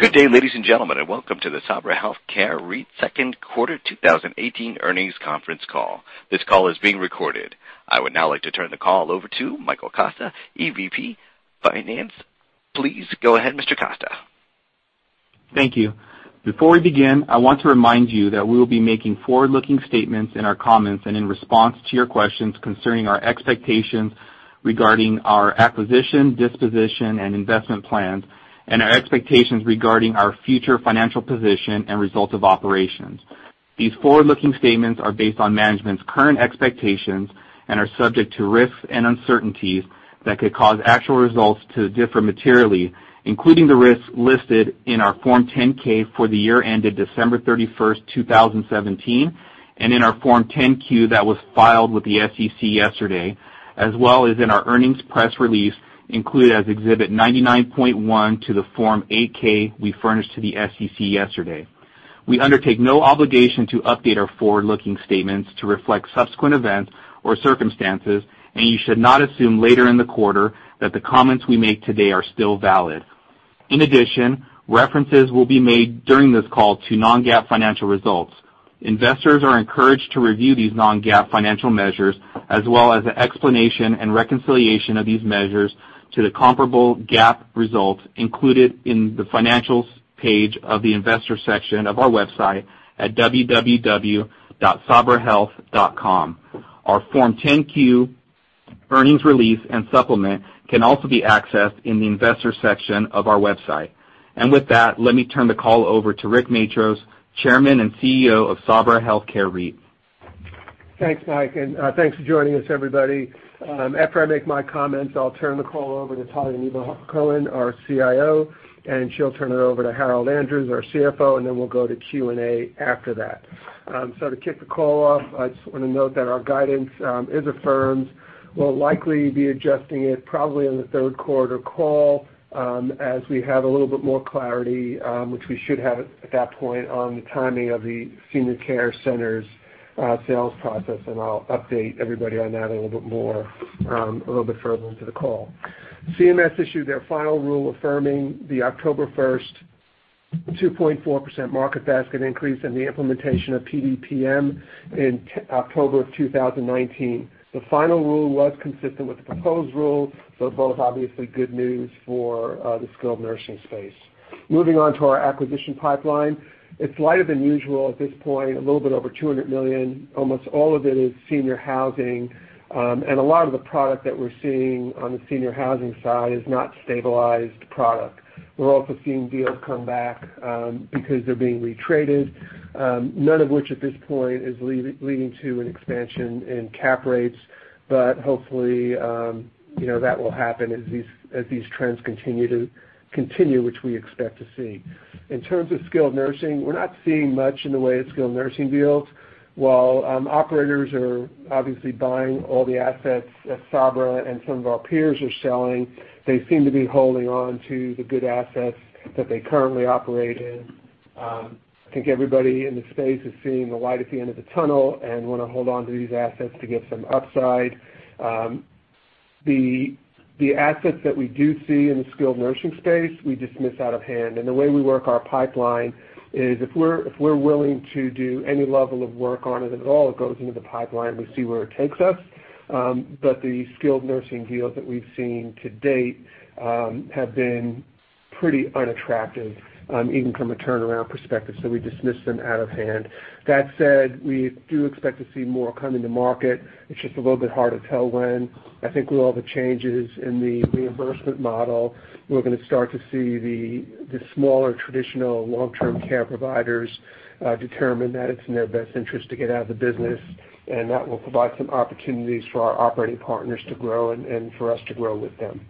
Good day, ladies and gentlemen, welcome to the Sabra Health Care REIT Second Quarter 2018 Earnings Conference Call. This call is being recorded. I would now like to turn the call over to Michael Costa, EVP Finance. Please go ahead, Mr. Costa. Thank you. Before we begin, I want to remind you that we will be making forward-looking statements in our comments and in response to your questions concerning our expectations regarding our acquisition, disposition, and investment plans, and our expectations regarding our future financial position and results of operations. These forward-looking statements are based on management's current expectations and are subject to risks and uncertainties that could cause actual results to differ materially, including the risks listed in our Form 10-K for the year ended December 31st, 2017, and in our Form 10-Q that was filed with the SEC yesterday, as well as in our earnings press release, included as Exhibit 99.1 to the Form 8-K we furnished to the SEC yesterday. We undertake no obligation to update our forward-looking statements to reflect subsequent events or circumstances, and you should not assume later in the quarter that the comments we make today are still valid. In addition, references will be made during this call to non-GAAP financial results. Investors are encouraged to review these non-GAAP financial measures, as well as the explanation and reconciliation of these measures to the comparable GAAP results included in the Financials page of the Investor section of our website at www.sabrahealth.com. Our Form 10-Q, earnings release, and supplement can also be accessed in the Investor section of our website. With that, let me turn the call over to Rick Matros, Chairman and CEO of Sabra Health Care REIT. Thanks, Mike, and thanks for joining us, everybody. After I make my comments, I'll turn the call over to Talya Nevo-Hacohen, our CIO, and she'll turn it over to Harold Andrews, our CFO, and then we'll go to Q&A after that. To kick the call off, I just want to note that our guidance is affirmed. We'll likely be adjusting it probably on the third quarter call, as we have a little bit more clarity, which we should have at that point on the timing of the Senior Care Centers sales process, and I'll update everybody on that a little bit further into the call. CMS issued their final rule affirming the October 1st 2.4% market basket increase and the implementation of PDPM in October of 2019. The final rule was consistent with the proposed rule, so both obviously good news for the skilled nursing space. Moving on to our acquisition pipeline. It's lighter than usual at this point, a little bit over $200 million. Almost all of it is senior housing, and a lot of the product that we're seeing on the senior housing side is not stabilized product. We're also seeing deals come back because they're being retraded. None of which at this point is leading to an expansion in cap rates. Hopefully, that will happen as these trends continue which we expect to see. In terms of skilled nursing, we're not seeing much in the way of skilled nursing deals. While operators are obviously buying all the assets that Sabra and some of our peers are selling, they seem to be holding on to the good assets that they currently operate in. I think everybody in the space is seeing the light at the end of the tunnel and want to hold on to these assets to get some upside. The assets that we do see in the skilled nursing space, we dismiss out of hand. The way we work our pipeline is if we're willing to do any level of work on it at all, it goes into the pipeline. We see where it takes us. The skilled nursing deals that we've seen to date have been pretty unattractive, even from a turnaround perspective, so we dismiss them out of hand. That said, we do expect to see more come into market. It's just a little bit hard to tell when. I think with all the changes in the reimbursement model, we're going to start to see the smaller, traditional long-term care providers determine that it's in their best interest to get out of the business. That will provide some opportunities for our operating partners to grow and for us to grow with them.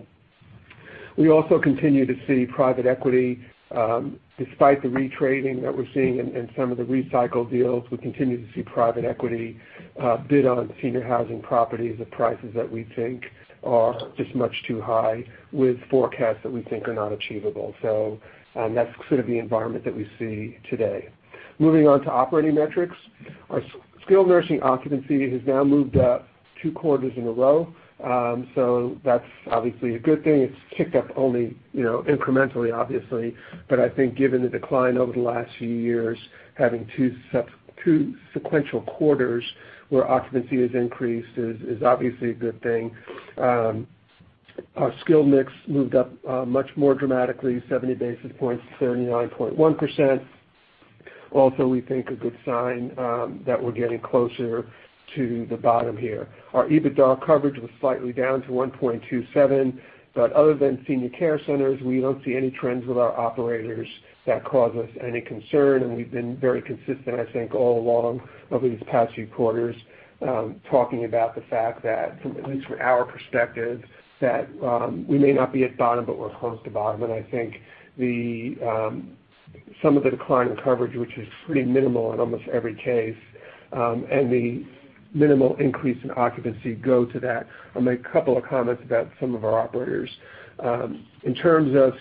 We also continue to see private equity. Despite the retrading that we're seeing and some of the recycled deals, we continue to see private equity bid on senior housing properties at prices that we think are just much too high with forecasts that we think are not achievable. That's sort of the environment that we see today. Moving on to operating metrics. Our skilled nursing occupancy has now moved up two quarters in a row. That's obviously a good thing. It's ticked up only incrementally, obviously, but I think given the decline over the last few years, having two sequential quarters where occupancy has increased is obviously a good thing. Our skilled mix moved up much more dramatically, 70 basis points to 39.1%. We think a good sign that we're getting closer to the bottom here. Our EBITDA coverage was slightly down to 1.27. Other than Senior Care Centers, we don't see any trends with our operators that cause us any concern, and we've been very consistent, I think, all along over these past few quarters, talking about the fact that, at least from our perspective, that we may not be at bottom, but we're close to bottom, and I think some of the decline in coverage, which is pretty minimal in almost every case, and the minimal increase in occupancy go to that. I'll make a couple of comments about some of our operators. In terms of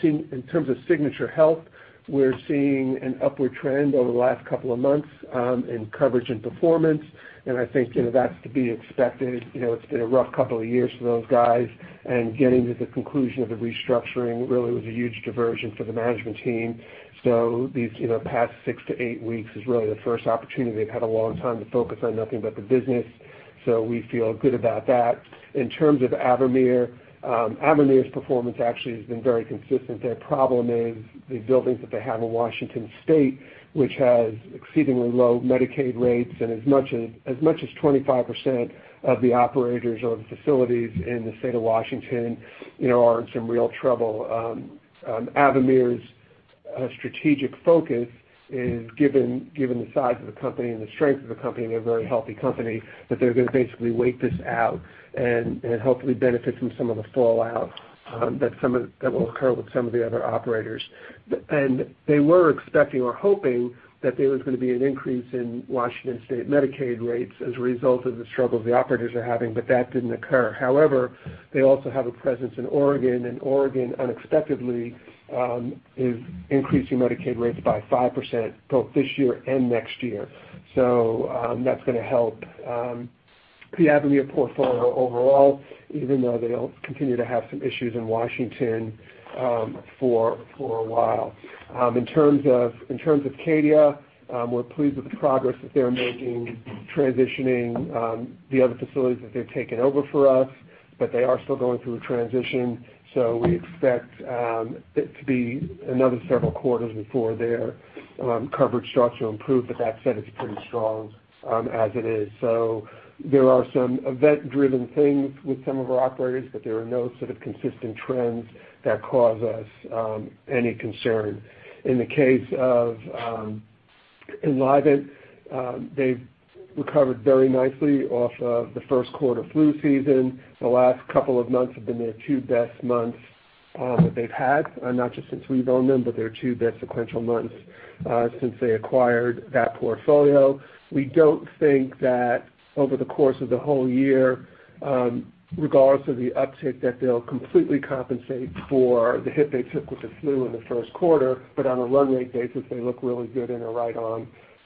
Signature HealthCARE, we're seeing an upward trend over the last couple of months in coverage and performance, and I think that's to be expected. It's been a rough couple of years for those guys, and getting to the conclusion of the restructuring really was a huge diversion for the management team. These past six to eight weeks is really the first opportunity they've had a long time to focus on nothing but the business. We feel good about that. In terms of Avamere's performance actually has been very consistent. Their problem is the buildings that they have in Washington State, which has exceedingly low Medicaid rates, and as much as 25% of the operators of facilities in the state of Washington are in some real trouble. Avamere's strategic focus is, given the size of the company and the strength of the company, and they're a very healthy company, that they're going to basically wait this out and hopefully benefit from some of the fallout that will occur with some of the other operators. They were expecting or hoping that there was going to be an increase in Washington State Medicaid rates as a result of the struggles the operators are having, but that didn't occur. They also have a presence in Oregon, and Oregon unexpectedly is increasing Medicaid rates by 5% both this year and next year. That's going to help the Avamere portfolio overall, even though they'll continue to have some issues in Washington for a while. In terms of Cadia, we're pleased with the progress that they're making transitioning the other facilities that they've taken over for us, but they are still going through a transition, so we expect it to be another several quarters before their coverage starts to improve. That said, it's pretty strong as it is. There are some event-driven things with some of our operators, but there are no sort of consistent trends that cause us any concern. In the case of Enlivant, they've recovered very nicely off of the first-quarter flu season. The last couple of months have been their two best months that they've had, not just since we've owned them, but their two best sequential months since they acquired that portfolio. We don't think that over the course of the whole year, regardless of the uptick, that they'll completely compensate for the hit they took with the flu in the first quarter, but on a run rate basis, they look really good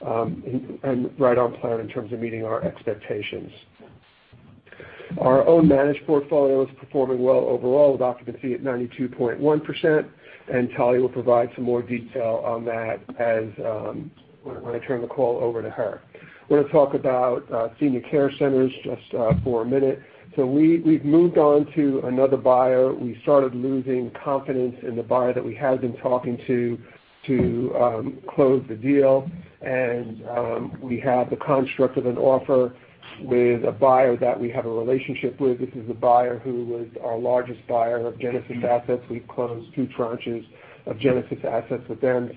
and are right on plan in terms of meeting our expectations. Our own managed portfolio is performing well overall with occupancy at 92.1%, and Talya will provide some more detail on that when I turn the call over to her. Want to talk about Senior Care Centers just for a minute. We've moved on to another buyer. We started losing confidence in the buyer that we had been talking to close the deal, and we have the construct of an offer with a buyer that we have a relationship with. This is a buyer who was our largest buyer of Genesis assets. We've closed two tranches of Genesis assets with them.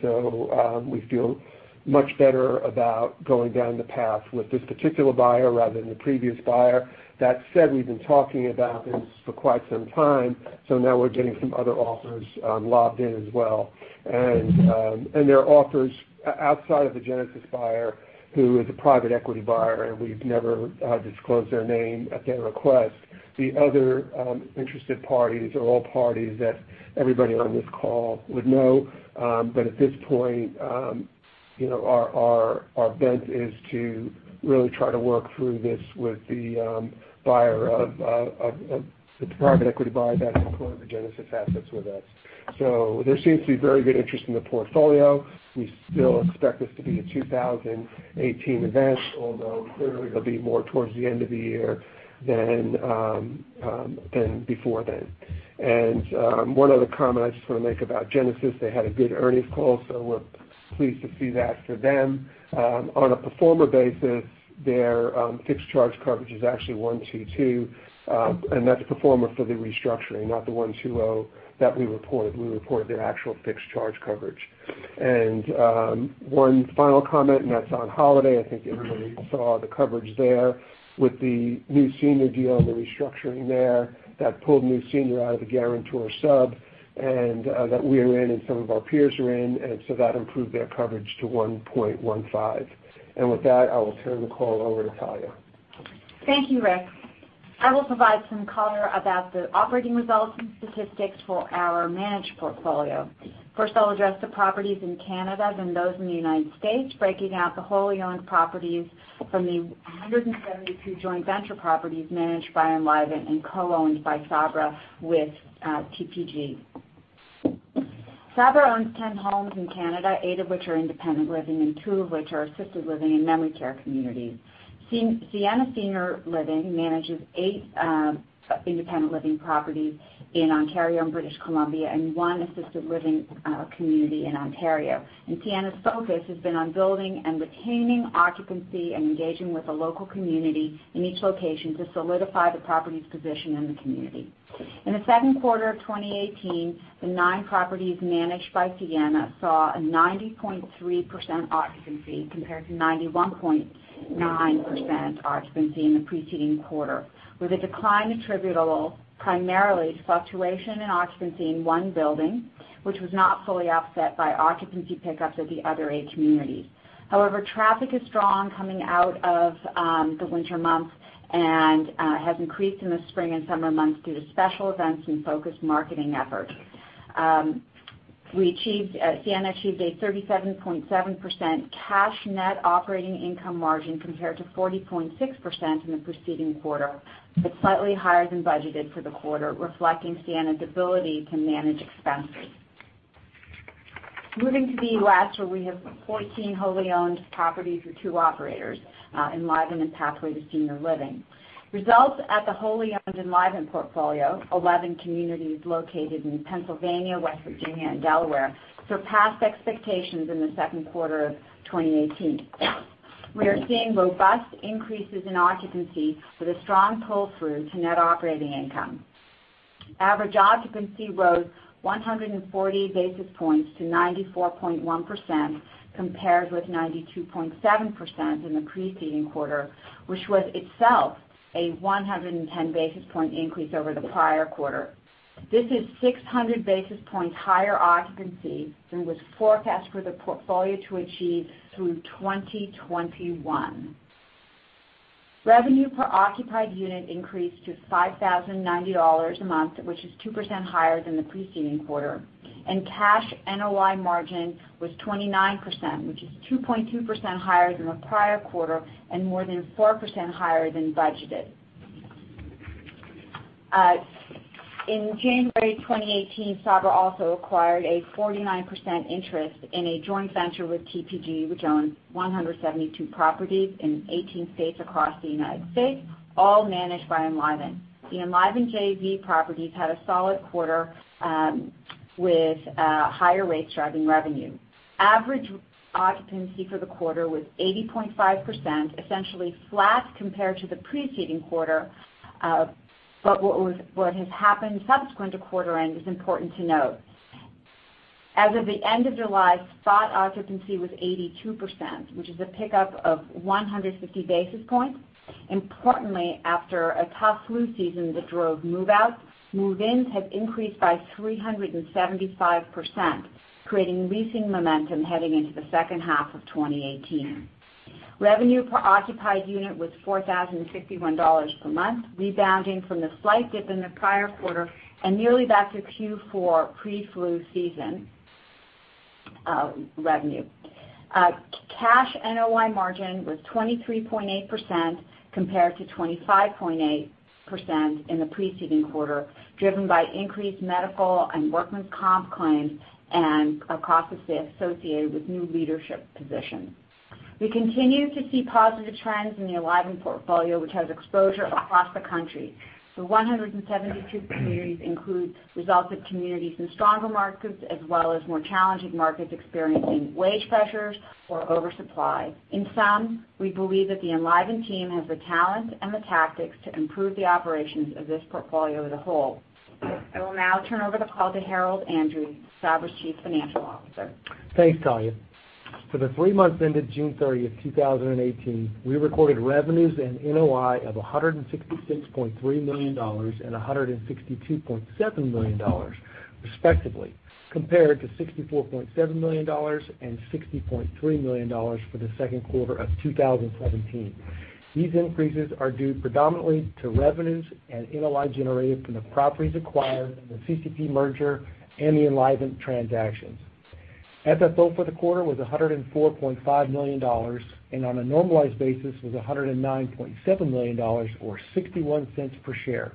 We feel much better about going down the path with this particular buyer rather than the previous buyer. That said, we've been talking about this for quite some time, now we're getting some other offers locked in as well. There are offers outside of the Genesis buyer who is a private equity buyer, and we've never disclosed their name at their request. The other interested parties are all parties that everybody on this call would know. At this point our bent is to really try to work through this with the private equity buyer that has closed the Genesis assets with us. There seems to be very good interest in the portfolio. We still expect this to be a 2018 event, although clearly it'll be more towards the end of the year than before then. One other comment I just want to make about Genesis, they had a good earnings call, we're pleased to see that for them. On a pro forma basis, their fixed charge coverage is actually 1.22, that's pro forma for the restructuring, not the 1.20 that we reported. We reported their actual fixed charge coverage. One final comment, that's on Holiday. I think everybody saw the coverage there with the New Senior deal and the restructuring there. That pulled New Senior out of the guarantor sub that we are in and some of our peers are in, that improved their coverage to 1.15. With that, I will turn the call over to Talya. Thank you, Rick. I will provide some color about the operating results and statistics for our managed portfolio. First, I'll address the properties in Canada, those in the U.S., breaking out the wholly owned properties from the 172 joint venture properties managed by Enlivant and co-owned by Sabra with TPG. Sabra owns 10 homes in Canada, eight of which are independent living and two of which are assisted living and memory care communities. Sienna Senior Living manages eight independent living properties in Ontario and British Columbia and one assisted living community in Ontario. Sienna's focus has been on building and retaining occupancy and engaging with the local community in each location to solidify the property's position in the community. In the second quarter of 2018, the nine properties managed by Sienna saw a 90.3% occupancy compared to 91.9% occupancy in the preceding quarter, with a decline attributable primarily to fluctuation in occupancy in one building which was not fully offset by occupancy pickups at the other eight communities. However, traffic is strong coming out of the winter months and has increased in the spring and summer months due to special events and focused marketing efforts. Sienna achieved a 37.7% cash net operating income margin compared to 40.6% in the preceding quarter, slightly higher than budgeted for the quarter, reflecting Sienna's ability to manage expenses. Moving to the U.S., where we have 14 wholly owned properties with two operators, Enlivant and Pathway to Living. Results at the wholly owned Enlivant portfolio, 11 communities located in Pennsylvania, West Virginia, and Delaware, surpassed expectations in the second quarter of 2018. We are seeing robust increases in occupancy with a strong pull-through to net operating income. Average occupancy rose 140 basis points to 94.1%, compared with 92.7% in the preceding quarter, which was itself a 110 basis point increase over the prior quarter. This is 600 basis points higher occupancy than was forecast for the portfolio to achieve through 2021. Revenue per occupied unit increased to $5,090 a month, which is 2% higher than the preceding quarter, and cash NOI margin was 29%, which is 2.2% higher than the prior quarter and more than 4% higher than budgeted. In January 2018, Sabra also acquired a 49% interest in a joint venture with TPG, which owns 172 properties in 18 states across the United States, all managed by Enlivant. The Enlivant JV properties had a solid quarter with higher rates driving revenue. Average occupancy for the quarter was 80.5%, essentially flat compared to the preceding quarter. What has happened subsequent to quarter end is important to note. As of the end of July, spot occupancy was 82%, which is a pickup of 150 basis points. Importantly, after a tough flu season that drove move-outs, move-ins have increased by 375%, creating leasing momentum heading into the second half of 2018. Revenue per occupied unit was $4,061 per month, rebounding from the slight dip in the prior quarter and nearly back to Q4 pre-flu season revenue. Cash NOI margin was 23.8% compared to 25.8% in the preceding quarter, driven by increased medical and workman's comp claims and a cost associated with new leadership positions. We continue to see positive trends in the Enlivant portfolio, which has exposure across the country. 172 communities include results of communities in stronger markets, as well as more challenging markets experiencing wage pressures or oversupply. In sum, we believe that the Enlivant team has the talent and the tactics to improve the operations of this portfolio as a whole. I will now turn over the call to Harold Andrews, Sabra's Chief Financial Officer. Thanks, Talya. For the three months ended June 30th, 2018, we recorded revenues and NOI of $166.3 million and $162.7 million respectively, compared to $64.7 million and $60.3 million for the second quarter of 2017. These increases are due predominantly to revenues and NOI generated from the properties acquired in the CCP merger and the Enlivant transactions. FFO for the quarter was $104.5 million, and on a normalized basis was $109.7 million, or $0.61 per share.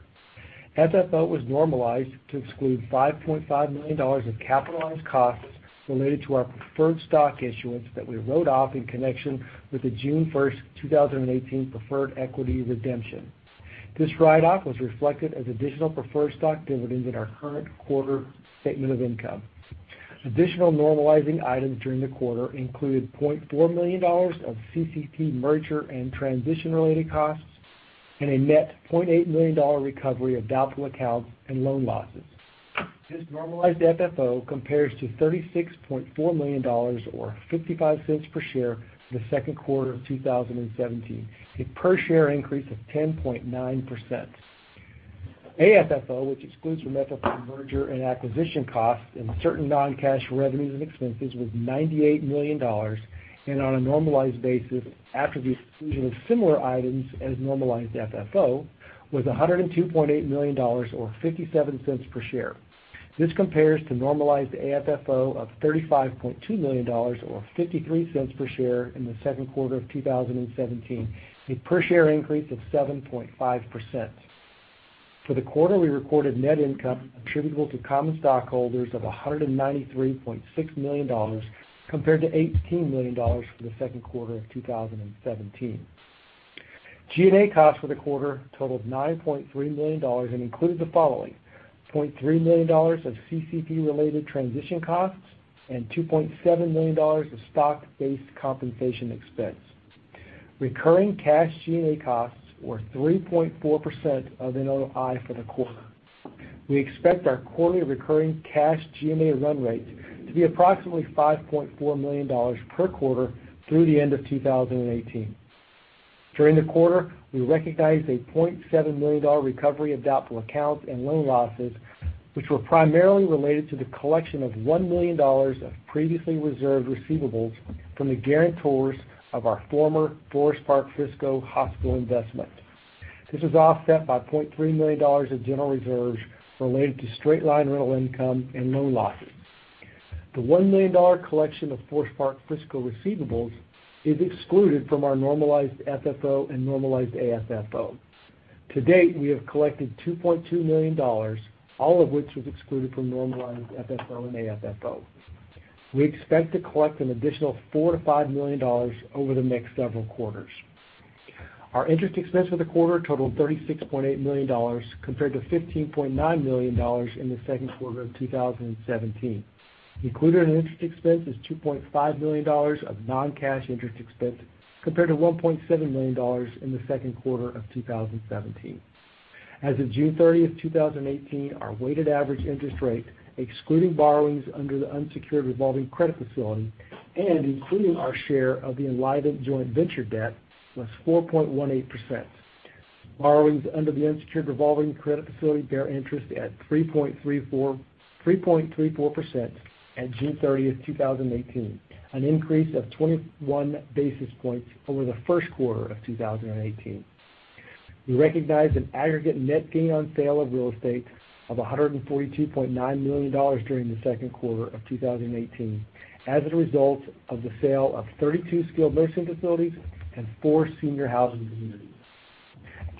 FFO was normalized to exclude $5.5 million of capitalized costs related to our preferred stock issuance that we wrote off in connection with the June 1st, 2018 preferred equity redemption. This write-off was reflected as additional preferred stock dividends in our current quarter statement of income. Additional normalizing items during the quarter included $0.4 million of CCP merger and transition-related costs and a net $0.8 million recovery of doubtful accounts and loan losses. This normalized FFO compares to $36.4 million, or $0.55 per share, in the second quarter of 2017, a per share increase of 10.9%. AFFO, which excludes from FFO merger and acquisition costs and certain non-cash revenues and expenses, was $98 million, and on a normalized basis, after the exclusion of similar items as normalized FFO, was $102.8 million or $0.57 per share. This compares to normalized AFFO of $35.2 million or $0.53 per share in the second quarter of 2017, a per share increase of 7.5%. For the quarter, we recorded net income attributable to common stockholders of $193.6 million, compared to $18 million for the second quarter of 2017. G&A costs for the quarter totaled $9.3 million and included the following: $0.3 million of CCP-related transition costs and $2.7 million of stock-based compensation expense. Recurring cash G&A costs were 3.4% of NOI for the quarter. We expect our quarterly recurring cash G&A run rate to be approximately $5.4 million per quarter through the end of 2018. During the quarter, we recognized a $0.7 million recovery of doubtful accounts and loan losses, which were primarily related to the collection of $1 million of previously reserved receivables from the guarantors of our former Forest Park Medical hospital investment. This was offset by $0.3 million of general reserves related to straight-line rental income and loan losses. The $1 million collection of Forest Park Medical receivables is excluded from our normalized FFO and normalized AFFO. To date, we have collected $2.2 million, all of which was excluded from normalized FFO and AFFO. We expect to collect an additional $4 million to $5 million over the next several quarters. Our interest expense for the quarter totaled $36.8 million, compared to $15.9 million in the second quarter of 2017. Included in interest expense is $2.5 million of non-cash interest expense, compared to $1.7 million in the second quarter of 2017. As of June 30th, 2018, our weighted average interest rate, excluding borrowings under the unsecured revolving credit facility and including our share of the Enlivant joint venture debt, was 4.18%. Borrowings under the unsecured revolving credit facility bear interest at 3.34% at June 30th, 2018, an increase of 21 basis points over the first quarter of 2018. We recognized an aggregate net gain on sale of real estate of $142.9 million during the second quarter of 2018 as a result of the sale of 32 skilled nursing facilities and four senior housing communities.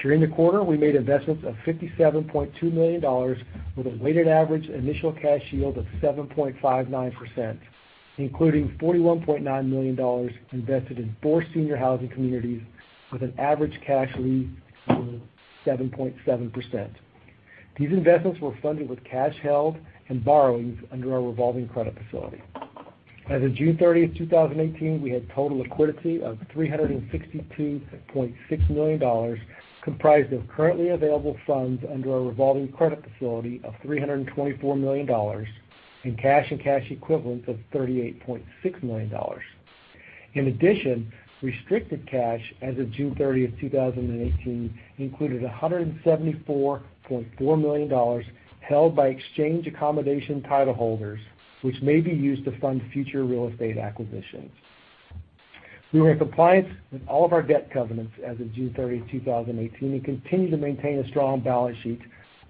During the quarter, we made investments of $57.2 million, with a weighted average initial cash yield of 7.59%, including $41.9 million invested in four senior housing communities with an average cash yield of 7.7%. These investments were funded with cash held and borrowings under our revolving credit facility. As of June 30th, 2018, we had total liquidity of $362.6 million, comprised of currently available funds under our revolving credit facility of $324 million and cash and cash equivalents of $38.6 million. In addition, restricted cash as of June 30th, 2018, included $174.4 million held by exchange accommodation title holders, which may be used to fund future real estate acquisitions. We were in compliance with all of our debt covenants as of June 30th, 2018, and continue to maintain a strong balance sheet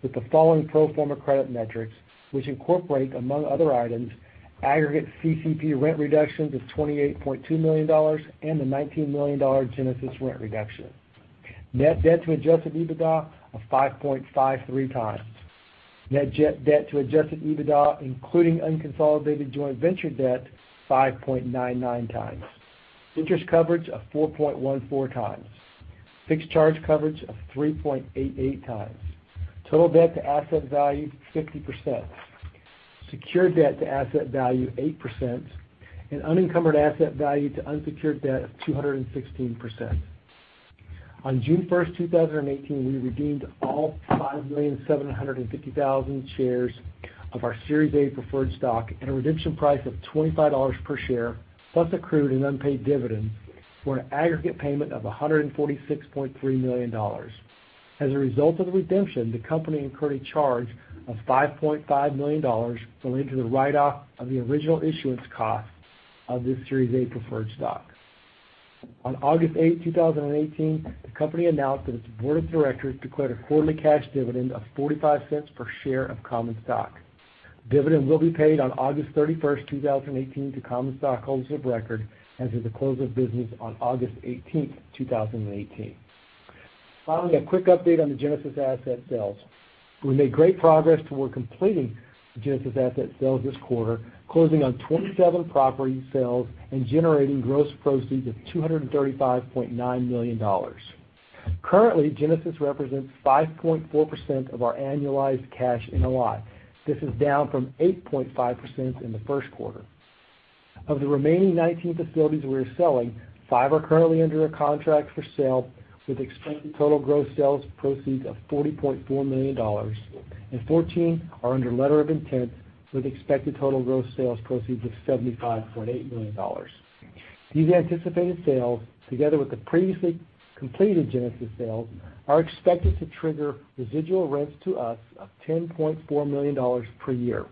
with the following pro forma credit metrics, which incorporate, among other items, aggregate CCP rent reductions of $28.2 million and the $19 million Genesis rent reduction. Net debt to adjusted EBITDA of 5.53 times. Net debt to adjusted EBITDA, including unconsolidated joint venture debt, 5.99 times. Interest coverage of 4.14 times. Fixed charge coverage of 3.88 times. Total debt to asset value, 50%. Secured debt to asset value, 8%, and unencumbered asset value to unsecured debt of 216%. On June 1st, 2018, we redeemed all 5,750,000 shares of our Series A preferred stock at a redemption price of $25 per share, plus accrued and unpaid dividends, for an aggregate payment of $146.3 million. As a result of the redemption, the company incurred a charge of $5.5 million related to the write-off of the original issuance cost of this Series A preferred stock. On August 8th, 2018, the company announced that its board of directors declared a quarterly cash dividend of $0.45 per share of common stock. The dividend will be paid on August 31st, 2018, to common stock holders of record as of the close of business on August 18th, 2018. Finally, a quick update on the Genesis asset sales. We made great progress toward completing the Genesis asset sales this quarter, closing on 27 property sales and generating gross proceeds of $235.9 million. Currently, Genesis represents 5.4% of our annualized cash NOI. This is down from 8.5% in the first quarter. Of the remaining 19 facilities we are selling, five are currently under a contract for sale with expected total gross sales proceeds of $40.4 million, and 14 are under letter of intent with expected total gross sales proceeds of $75.8 million. These anticipated sales, together with the previously completed Genesis sales, are expected to trigger residual rents to us of $10.4 million per year.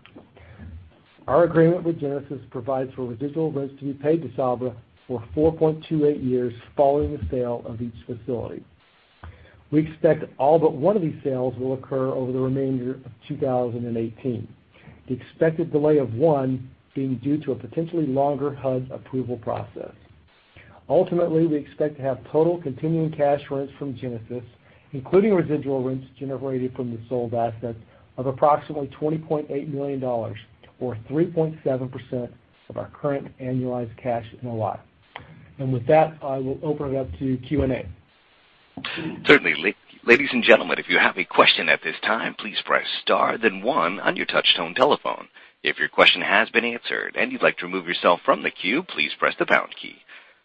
Our agreement with Genesis provides for residual rents to be paid to Sabra for 4.28 years following the sale of each facility. We expect all but one of these sales will occur over the remainder of 2018. The expected delay of one being due to a potentially longer HUD approval process. Ultimately, we expect to have total continuing cash rents from Genesis, including residual rents generated from the sold assets, of approximately $20.8 million, or 3.7% of our current annualized cash NOI. With that, I will open it up to Q&A. Certainly. Ladies and gentlemen, if you have a question at this time, please press star then one on your touchtone telephone. If your question has been answered and you'd like to remove yourself from the queue, please press the pound key.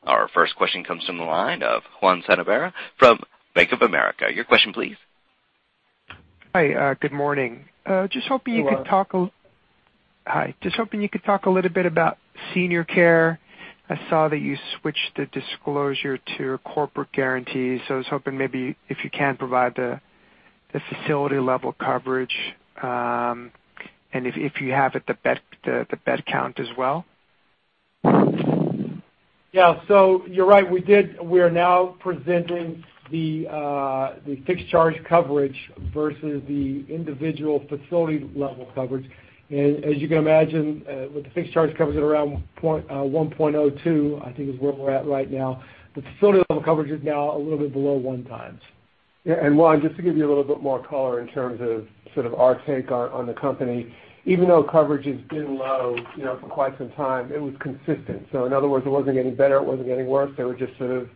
Our first question comes from the line of Juan Sanabria from Bank of America. Your question please. Hi, good morning. Hello. Hi, just hoping you could talk a little bit about senior care. I saw that you switched the disclosure to corporate guarantees. I was hoping maybe if you can provide the facility level coverage, and if you have it, the bed count as well. Yeah. You're right, we are now presenting the fixed charge coverage versus the individual facility level coverage. As you can imagine, with the fixed charge coverage at around 1.02, I think, is where we're at right now. The facility level coverage is now a little bit below 1 times. Yeah. Juan, just to give you a little bit more color in terms of sort of our take on the company, even though coverage has been low for quite some time, it was consistent. In other words, it wasn't getting better, it wasn't getting worse. They were just sort of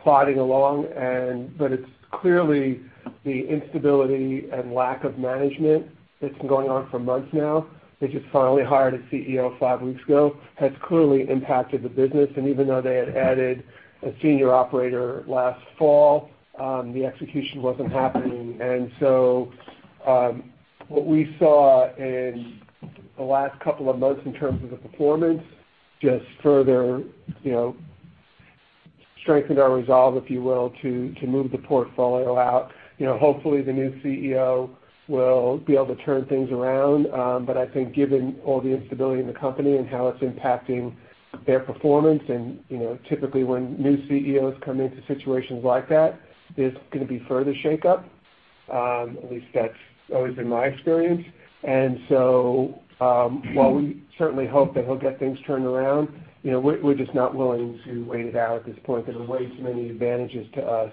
plodding along, it's clearly the instability and lack of management that's been going on for months now. They just finally hired a CEO 5 weeks ago, has clearly impacted the business. Even though they had added a senior operator last fall, the execution wasn't happening. What we saw in the last couple of months in terms of the performance just further strengthened our resolve, if you will, to move the portfolio out. Hopefully, the new CEO will be able to turn things around. I think given all the instability in the company and how it's impacting their performance, and typically when new CEOs come into situations like that, there's going to be further shakeup. At least that's always been my experience. While we certainly hope that he'll get things turned around, we're just not willing to wait it out at this point. There are way too many advantages to us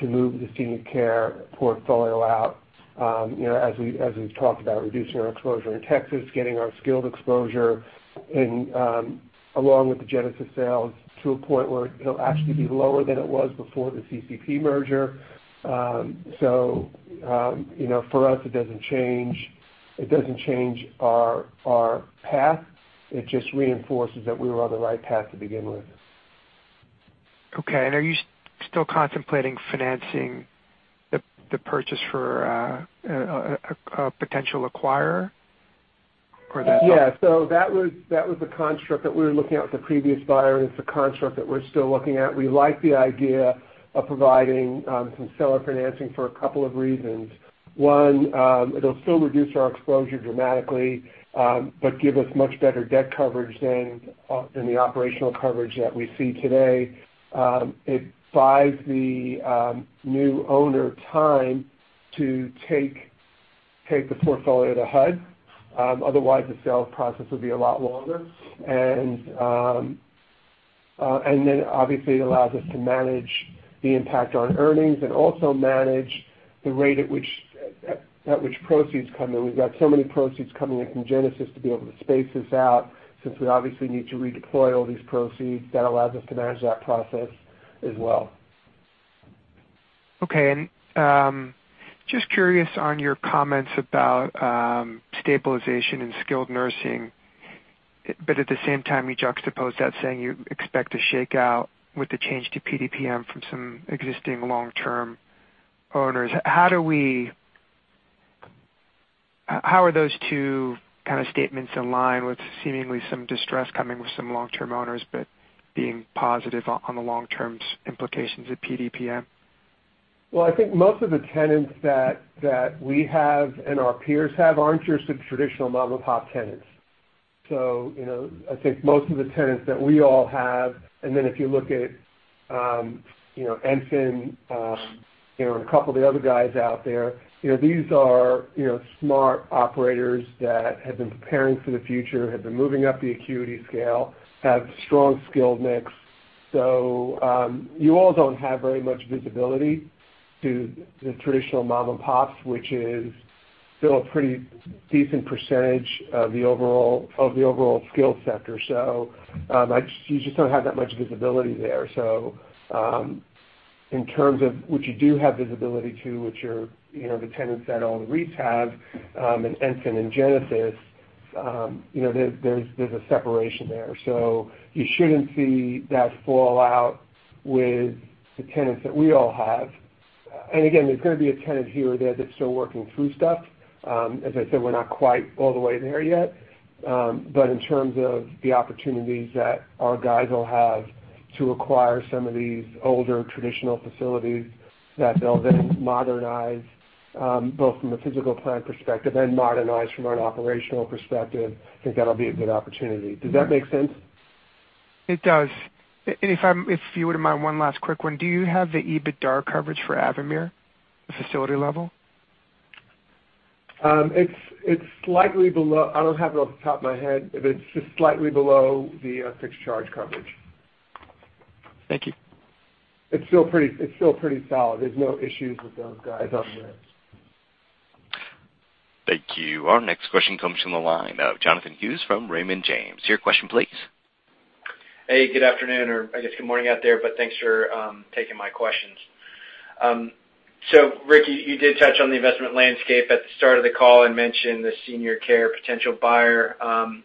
to move the Senior Care portfolio out. As we've talked about reducing our exposure in Texas, getting our skilled exposure, and along with the Genesis sales, to a point where it'll actually be lower than it was before the CCP merger. For us, it doesn't change our path. It just reinforces that we were on the right path to begin with. Okay. Are you still contemplating financing the purchase for a potential acquirer? Yeah. That was the construct that we were looking at with the previous buyer, and it's the construct that we're still looking at. We like the idea of providing some seller financing for a couple of reasons. One, it'll still reduce our exposure dramatically, but give us much better debt coverage than the operational coverage that we see today. It buys the new owner time to take the portfolio to HUD. Otherwise, the sales process would be a lot longer. Obviously it allows us to manage the impact on earnings and also manage the rate at which proceeds come in. We've got so many proceeds coming in from Genesis to be able to space this out, since we obviously need to redeploy all these proceeds. That allows us to manage that process as well. Okay. Just curious on your comments about stabilization and skilled nursing, but at the same time, you juxtaposed that saying you expect a shakeout with the change to PDPM from some existing long-term owners. How are those two kind of statements aligned with seemingly some distress coming with some long-term owners, but being positive on the long-term implications of PDPM? I think most of the tenants that we have and our peers have aren't your sort of traditional mom-and-pop tenants. I think most of the tenants that we all have, then if you look at Ensign and a couple of the other guys out there, these are smart operators that have been preparing for the future, have been moving up the acuity scale, have strong skilled mix. You all don't have very much visibility to the traditional mom-and-pops, which is still a pretty decent percentage of the overall skilled sector. You just don't have that much visibility there. In terms of what you do have visibility to, which are the tenants that all the REITs have, and Ensign and Genesis, there's a separation there. You shouldn't see that fall out with the tenants that we all have. Again, there's going to be a tenant here or there that's still working through stuff. As I said, we're not quite all the way there yet. In terms of the opportunities that our guys will have to acquire some of these older traditional facilities that they'll then modernize, both from a physical plant perspective and modernize from an operational perspective, I think that'll be a good opportunity. Does that make sense? It does. If you wouldn't mind, one last quick one. Do you have the EBITDA coverage for Avamere, the facility level? It's slightly below. I don't have it off the top of my head, it's just slightly below the fixed charge coverage. Thank you. It's still pretty solid. There's no issues with those guys on the Thank you. Our next question comes from the line of Jonathan Hughes from Raymond James. Your question please. Hey, good afternoon, or I guess good morning out there, but thanks for taking my questions. Ricky, you did touch on the investment landscape at the start of the call and mentioned the Senior Care potential buyer.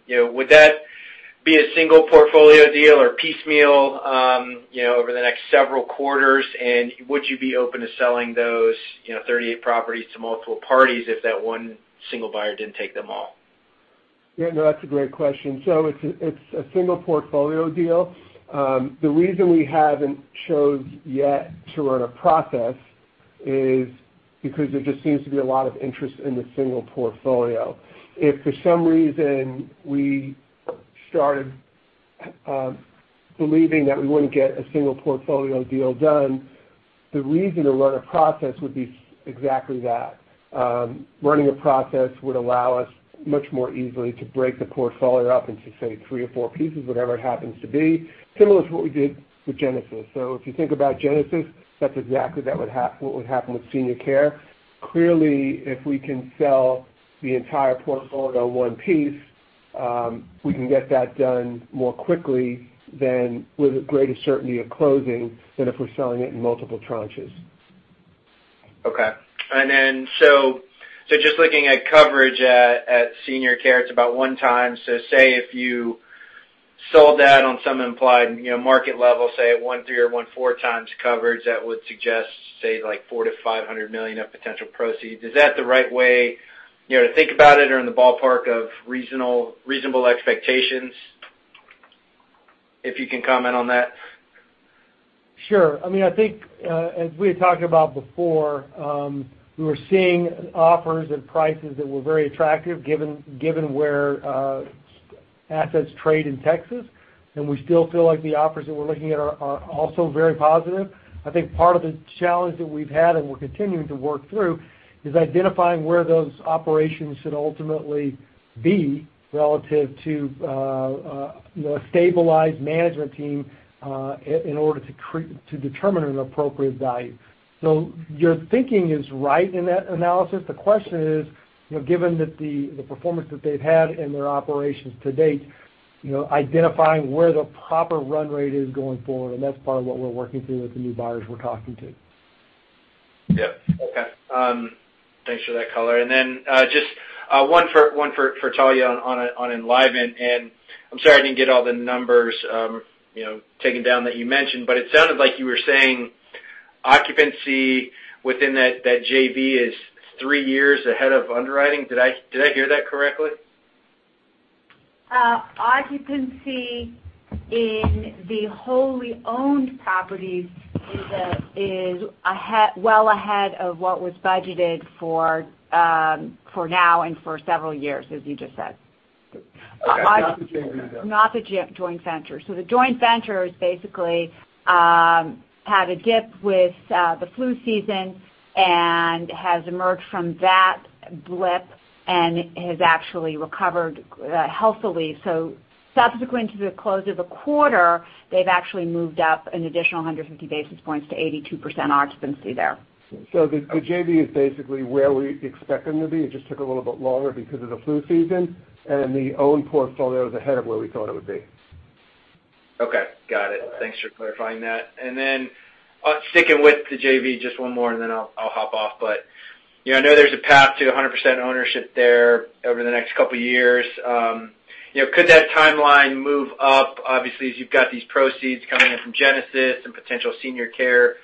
Would that be a single portfolio deal or piecemeal? Over the next several quarters, would you be open to selling those 38 properties to multiple parties if that one single buyer didn't take them all? Yeah, no, that's a great question. It's a single portfolio deal. The reason we haven't chosen yet to run a process is because there just seems to be a lot of interest in the single portfolio. If for some reason we started believing that we wouldn't get a single portfolio deal done, the reason to run a process would be exactly that. Running a process would allow us much more easily to break the portfolio up into, say, three or four pieces, whatever it happens to be, similar to what we did with Genesis. If you think about Genesis, that's exactly what would happen with Senior Care. Clearly, if we can sell the entire portfolio in one piece, we can get that done more quickly than with a greater certainty of closing than if we're selling it in multiple tranches. Okay. Just looking at coverage at Senior Care, it's about one time. Say if you sold that on some implied market level, say, at 1.3 or 1.4 times coverage, that would suggest, say, like $400 million to $500 million of potential proceeds. Is that the right way to think about it or in the ballpark of reasonable expectations, if you can comment on that? Sure. I think as we had talked about before, we were seeing offers and prices that were very attractive given where assets trade in Texas, and we still feel like the offers that we're looking at are also very positive. I think part of the challenge that we've had, and we're continuing to work through, is identifying where those operations should ultimately be relative to a stabilized management team, in order to determine an appropriate value. Your thinking is right in that analysis. The question is, given that the performance that they've had in their operations to date, identifying where the proper run rate is going forward, and that's part of what we're working through with the new buyers we're talking to. Yep. Okay. Thanks for that color. Just one for Talya on Enlivant, I'm sorry I didn't get all the numbers taken down that you mentioned, but it sounded like you were saying occupancy within that JV is three years ahead of underwriting. Did I hear that correctly? Occupancy in the wholly owned properties is well ahead of what was budgeted for now and for several years, as you just said. That's not the joint venture. Not the joint venture. The joint venture is basically had a dip with the flu season and has emerged from that blip and has actually recovered healthily. Subsequent to the close of the quarter, they've actually moved up an additional 150 basis points to 82% occupancy there. The JV is basically where we expect them to be. It just took a little bit longer because of the flu season, the owned portfolio is ahead of where we thought it would be. Okay. Got it. Thanks for clarifying that. Sticking with the JV, just one more and then I'll hop off. I know there's a path to 100% ownership there over the next couple of years. Could that timeline move up? Obviously, as you've got these proceeds coming in from Genesis and potential Senior Care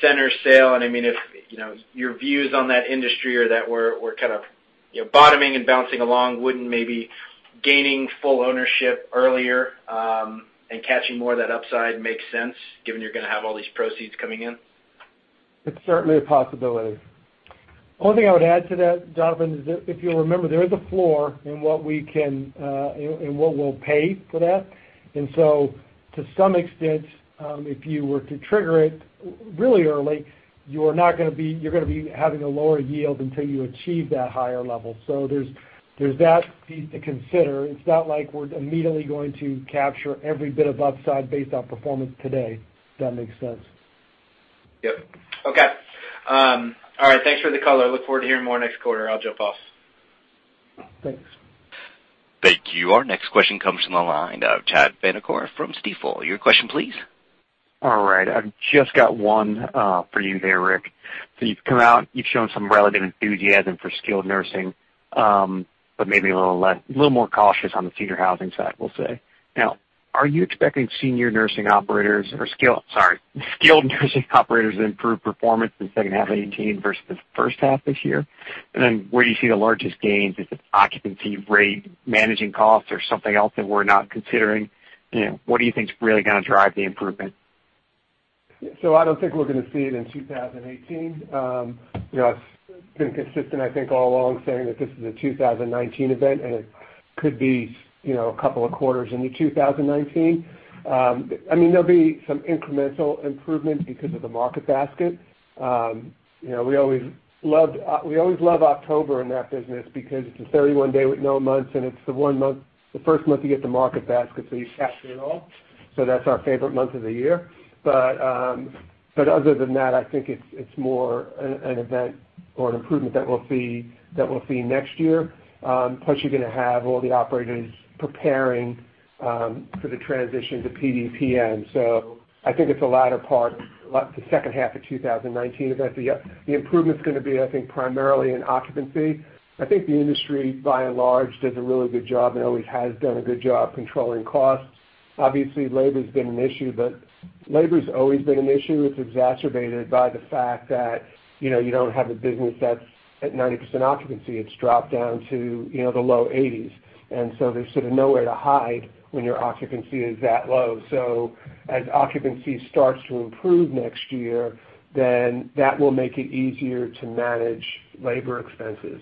Centers sale, if your views on that industry or that we're kind of bottoming and bouncing along, wouldn't maybe gaining full ownership earlier, and catching more of that upside make sense given you're going to have all these proceeds coming in? It's certainly a possibility. The only thing I would add to that, Jonathan, is that if you'll remember, there is a floor in what we'll pay for that. To some extent, if you were to trigger it really early, you're going to be having a lower yield until you achieve that higher level. There's that piece to consider. It's not like we're immediately going to capture every bit of upside based on performance today, if that makes sense. Yep. Okay. All right. Thanks for the color. Look forward to hearing more next quarter. I'll jump off. Thanks. Thank you. Our next question comes from the line of Chad Vanacore from Stifel. Your question, please. All right. I've just got one for you there, Rick. You've come out, you've shown some relative enthusiasm for skilled nursing, but maybe a little more cautious on the senior housing side, we'll say. Now, are you expecting skilled nursing operators to improve performance in the second half of 2018 versus the first half this year? Where do you see the largest gains? Is it occupancy rate, managing costs, or something else that we're not considering? What do you think is really going to drive the improvement? I don't think we're going to see it in 2018. I've been consistent, I think, all along saying that this is a 2019 event, and it could be a couple of quarters into 2019. There'll be some incremental improvement because of the market basket. We always love October in that business because it's a 31-day with no months, and it's the first month you get the market basket, you capture it all. That's our favorite month of the year. Other than that, I think it's more an event or an improvement that we'll see next year. Plus, you're going to have all the operators preparing for the transition to PDPM. I think it's the latter part, the second half of 2019. The improvement's going to be, I think, primarily in occupancy. I think the industry by and large, does a really good job and always has done a good job controlling costs. Obviously, labor's been an issue, but labor's always been an issue. It's exacerbated by the fact that you don't have a business. At 90% occupancy, it's dropped down to the low 80s. There's sort of nowhere to hide when your occupancy is that low. As occupancy starts to improve next year, that will make it easier to manage labor expenses,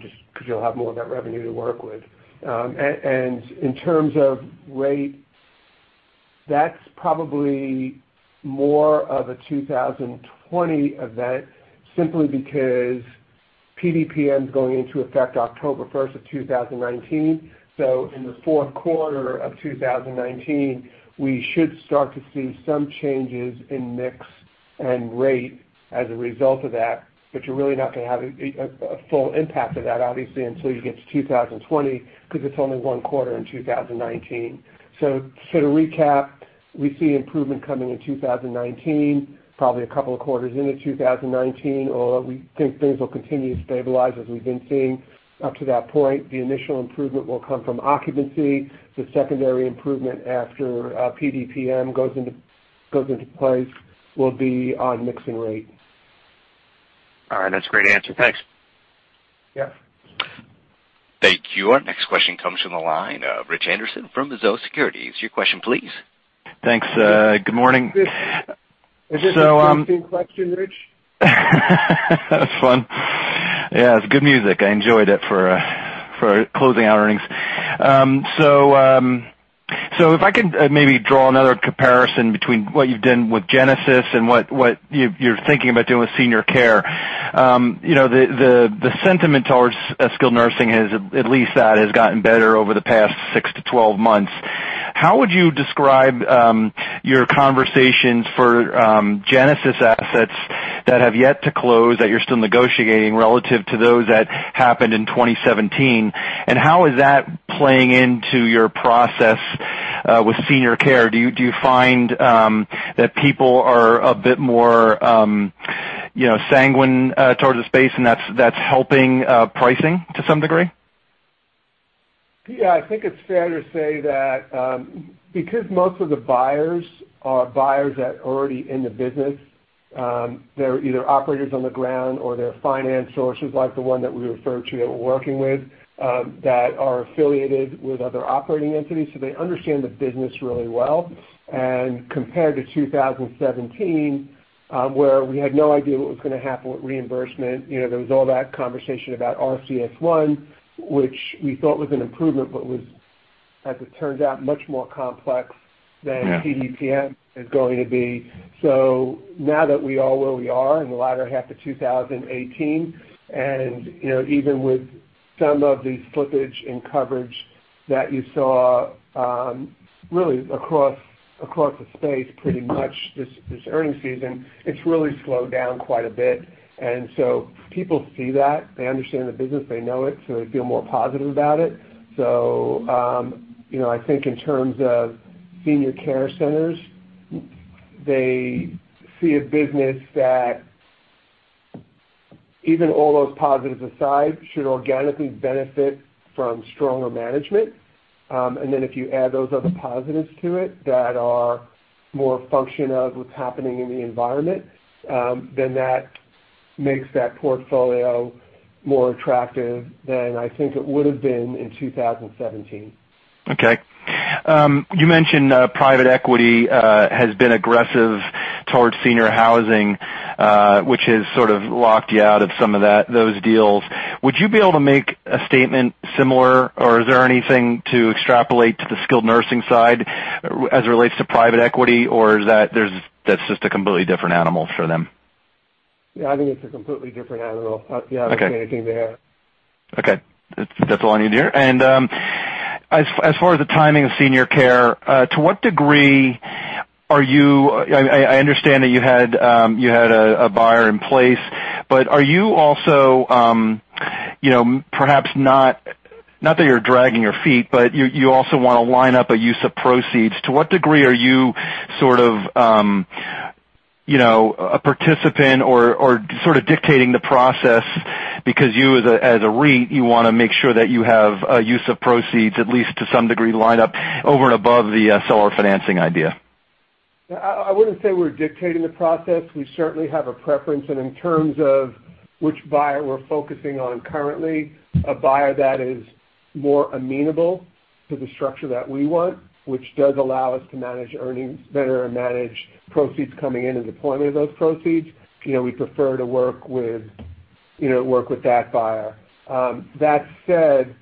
just because you'll have more of that revenue to work with. In terms of rate, that's probably more of a 2020 event simply because PDPM is going into effect October 1st of 2019. In the fourth quarter of 2019, we should start to see some changes in mix and rate as a result of that. You're really not going to have a full impact of that, obviously, until you get to 2020, because it's only one quarter in 2019. To recap, we see improvement coming in 2019, probably a couple of quarters into 2019, or we think things will continue to stabilize as we've been seeing up to that point. The initial improvement will come from occupancy. The secondary improvement after PDPM goes into place will be on mix and rate. All right. That's a great answer. Thanks. Yeah. Thank you. Our next question comes from the line of Richard Anderson from Mizuho Securities. Your question, please. Thanks. Good morning. Is this a 14 question, Rich? That's fun. Yeah, it's good music. I enjoyed it for closing out earnings. If I could maybe draw another comparison between what you've done with Genesis HealthCare and what you're thinking about doing with Senior Care Centers. The sentiment towards skilled nursing has, at least that, has gotten better over the past six to 12 months. How would you describe your conversations for Genesis HealthCare assets that have yet to close, that you're still negotiating relative to those that happened in 2017, and how is that playing into your process with Senior Care Centers? Do you find that people are a bit more sanguine towards the space and that's helping pricing to some degree? Yeah, I think it's fair to say that because most of the buyers are buyers that are already in the business, they're either operators on the ground or they're finance sources like the one that we referred to that we're working with, that are affiliated with other operating entities, so they understand the business really well. Compared to 2017, where we had no idea what was going to happen with reimbursement, there was all that conversation about RCS-1, which we thought was an improvement, but was, as it turns out, much more complex than PDPM is going to be. Now that we are where we are in the latter half of 2018, even with some of the slippage in coverage that you saw, really across the space, pretty much this earnings season, it's really slowed down quite a bit. People see that, they understand the business, they know it, so they feel more positive about it. I think in terms of Senior Care Centers, they see a business that, even all those positives aside, should organically benefit from stronger management. If you add those other positives to it that are more a function of what's happening in the environment, then that makes that portfolio more attractive than I think it would have been in 2017. Okay. You mentioned private equity has been aggressive towards senior housing, which has sort of locked you out of some of those deals. Would you be able to make a statement similar, or is there anything to extrapolate to the skilled nursing side as it relates to private equity, or that's just a completely different animal for them? Yeah, I think it's a completely different animal. I don't see anything there. Okay. That's all I need to hear. As far as the timing of senior care, to what degree are you I understand that you had a buyer in place, but are you also, perhaps not that you're dragging your feet, but you also want to line up a use of proceeds. To what degree are you sort of a participant or sort of dictating the process because you as a REIT, you want to make sure that you have a use of proceeds, at least to some degree, lined up over and above the seller financing idea? I wouldn't say we're dictating the process. We certainly have a preference, and in terms of which buyer we're focusing on currently, a buyer that is more amenable to the structure that we want, which does allow us to manage earnings better or manage proceeds coming in as a point of those proceeds. We prefer to work with that buyer. That said,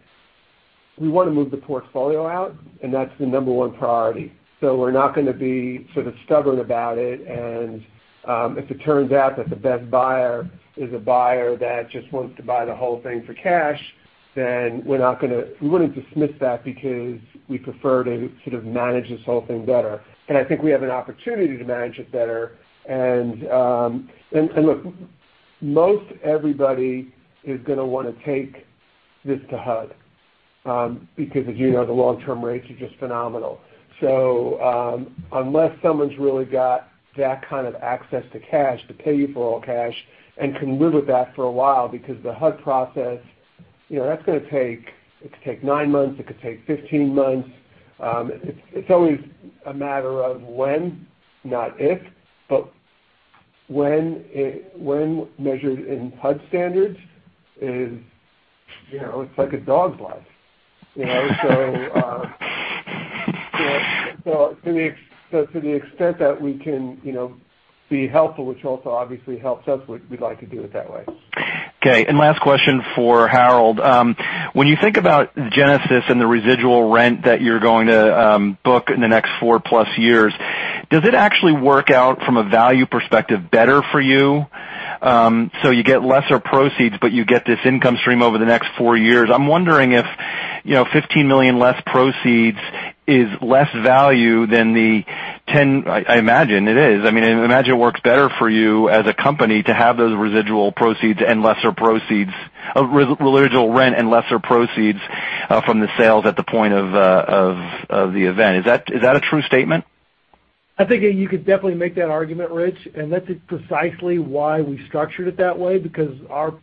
we want to move the portfolio out, and that's the number one priority. We're not going to be sort of stubborn about it, and if it turns out that the best buyer is a buyer that just wants to buy the whole thing for cash, then we wouldn't dismiss that because we prefer to sort of manage this whole thing better. I think we have an opportunity to manage it better. Look, most everybody is going to want to take this to HUD, because as you know, the long-term rates are just phenomenal. Unless someone's really got that kind of access to cash to pay you for all cash and can live with that for a while, because the HUD process it could take nine months, it could take 15 months. It's always a matter of when, not if, but when measured in HUD standards, it's like a dog's life. To the extent that we can be helpful, which also obviously helps us, we'd like to do it that way. Okay, last question for Harold. When you think about Genesis and the residual rent that you're going to book in the next four-plus years, does it actually work out from a value perspective better for you? You get lesser proceeds, but you get this income stream over the next four years. I'm wondering if $15 million less proceeds is less value. I imagine it is. I imagine it works better for you as a company to have those residual rent and lesser proceeds from the sales at the point of the event. Is that a true statement? I think you could definitely make that argument, Rich, that's precisely why we structured it that way, because our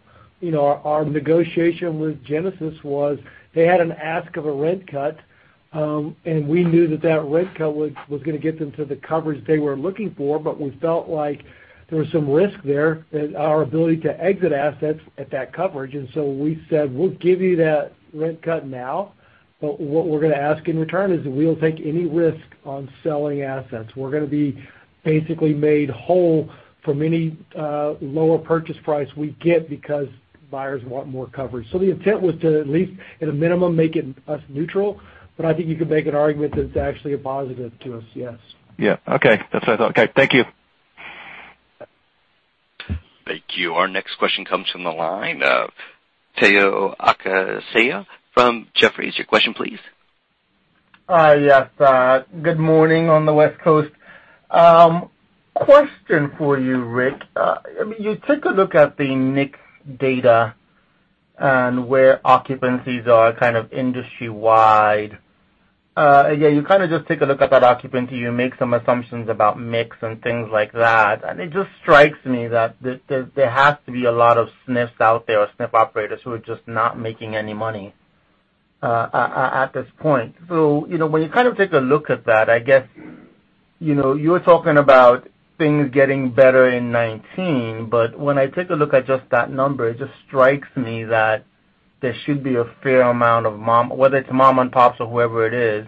negotiation with Genesis was they had an ask of a rent cut, we knew that that rent cut was going to get them to the coverage they were looking for. We felt like there was some risk there that our ability to exit assets at that coverage. We said, "We'll give you that rent cut now, but what we're going to ask in return is that we don't take any risk on selling assets. We're going to be basically made whole from any lower purchase price we get because buyers want more coverage." The intent was to, at least at a minimum, make it us neutral. I think you could make an argument that it's actually a positive to us, yes. Yeah. Okay. That's what I thought. Okay. Thank you. Thank you. Our next question comes from the line of Omotayo Okusanya from Jefferies. Your question, please. Yes. Good morning on the West Coast. Question for you, Rick. You take a look at the NIC's data and where occupancies are kind of industry-wide. You kind of just take a look at that occupancy, you make some assumptions about mix and things like that, and it just strikes me that there has to be a lot of SNFs out there, or SNF operators who are just not making any money at this point. When you take a look at that, I guess, you're talking about things getting better in 2019, but when I take a look at just that number, it just strikes me that there should be a fair amount of mom, whether it's mom and pops or whoever it is,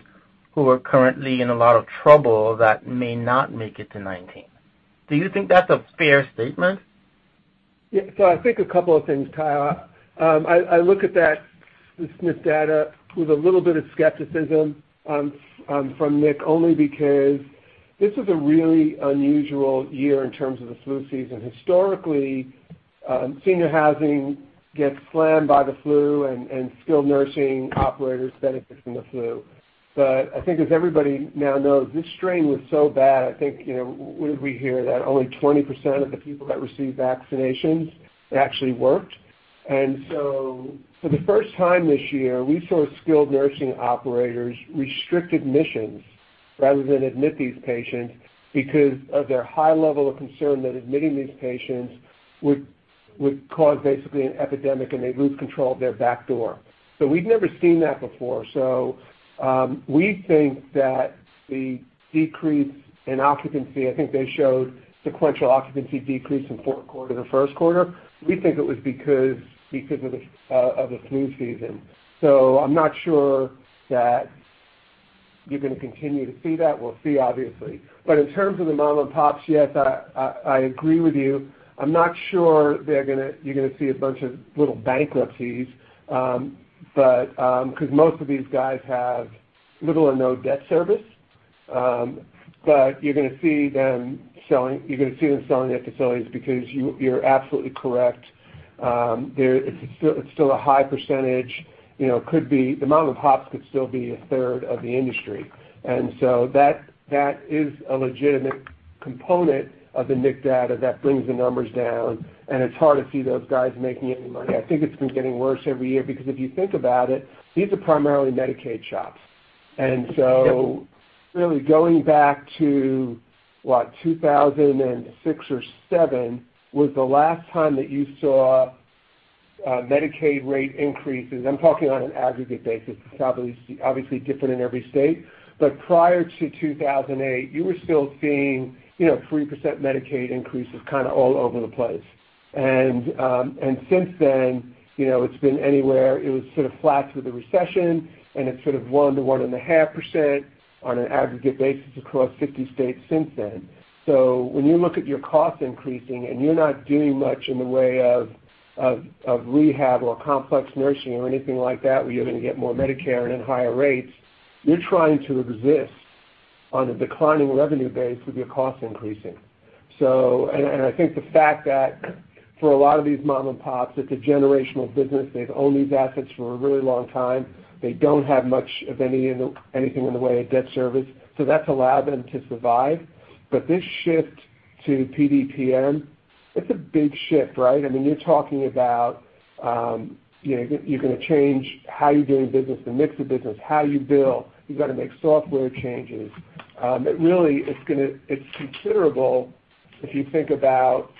who are currently in a lot of trouble that may not make it to 2019. Do you think that's a fair statement? I think a couple of things, Tayo. I look at that SNF data with a little bit of skepticism from NIC only because this is a really unusual year in terms of the flu season. Historically, senior housing gets slammed by the flu, and skilled nursing operators benefit from the flu. I think as everybody now knows, this strain was so bad, I think, we hear that only 20% of the people that received vaccinations actually worked. For the first time this year, we saw skilled nursing operators restrict admissions rather than admit these patients because of their high level of concern that admitting these patients would cause basically an epidemic, and they'd lose control of their back door. We've never seen that before. We think that the decrease in occupancy, I think they showed sequential occupancy decrease in fourth quarter, first quarter. We think it was because of the flu season. I'm not sure that you're going to continue to see that. We'll see, obviously. In terms of the mom and pops, yes, I agree with you. I'm not sure you're going to see a bunch of little bankruptcies, because most of these guys have little or no debt service. You're going to see them selling their facilities because you're absolutely correct. It's still a high percentage, the mom and pops could still be a third of the industry. That is a legitimate component of the NIC data that brings the numbers down, and it's hard to see those guys making any money. I think it's been getting worse every year because if you think about it, these are primarily Medicaid shops. Going back to, what, 2006 or 2007 was the last time that you saw Medicaid rate increases. I'm talking on an aggregate basis. It's obviously different in every state. Prior to 2008, you were still seeing 3% Medicaid increases kind of all over the place. Since then, it's been anywhere, it was sort of flat through the recession, and it's sort of 1%-1.5% on an aggregate basis across 50 states since then. When you look at your costs increasing and you're not doing much in the way of rehab or complex nursing or anything like that where you're going to get more Medicare and at higher rates, you're trying to exist on a declining revenue base with your costs increasing. I think the fact that for a lot of these mom and pops, it's a generational business. They've owned these assets for a really long time. They don't have much of anything in the way of debt service. That's allowed them to survive. This shift to PDPM, it's a big shift, right? You're talking about you're going to change how you're doing business, the mix of business, how you bill. You've got to make software changes. Really it's considerable If you think about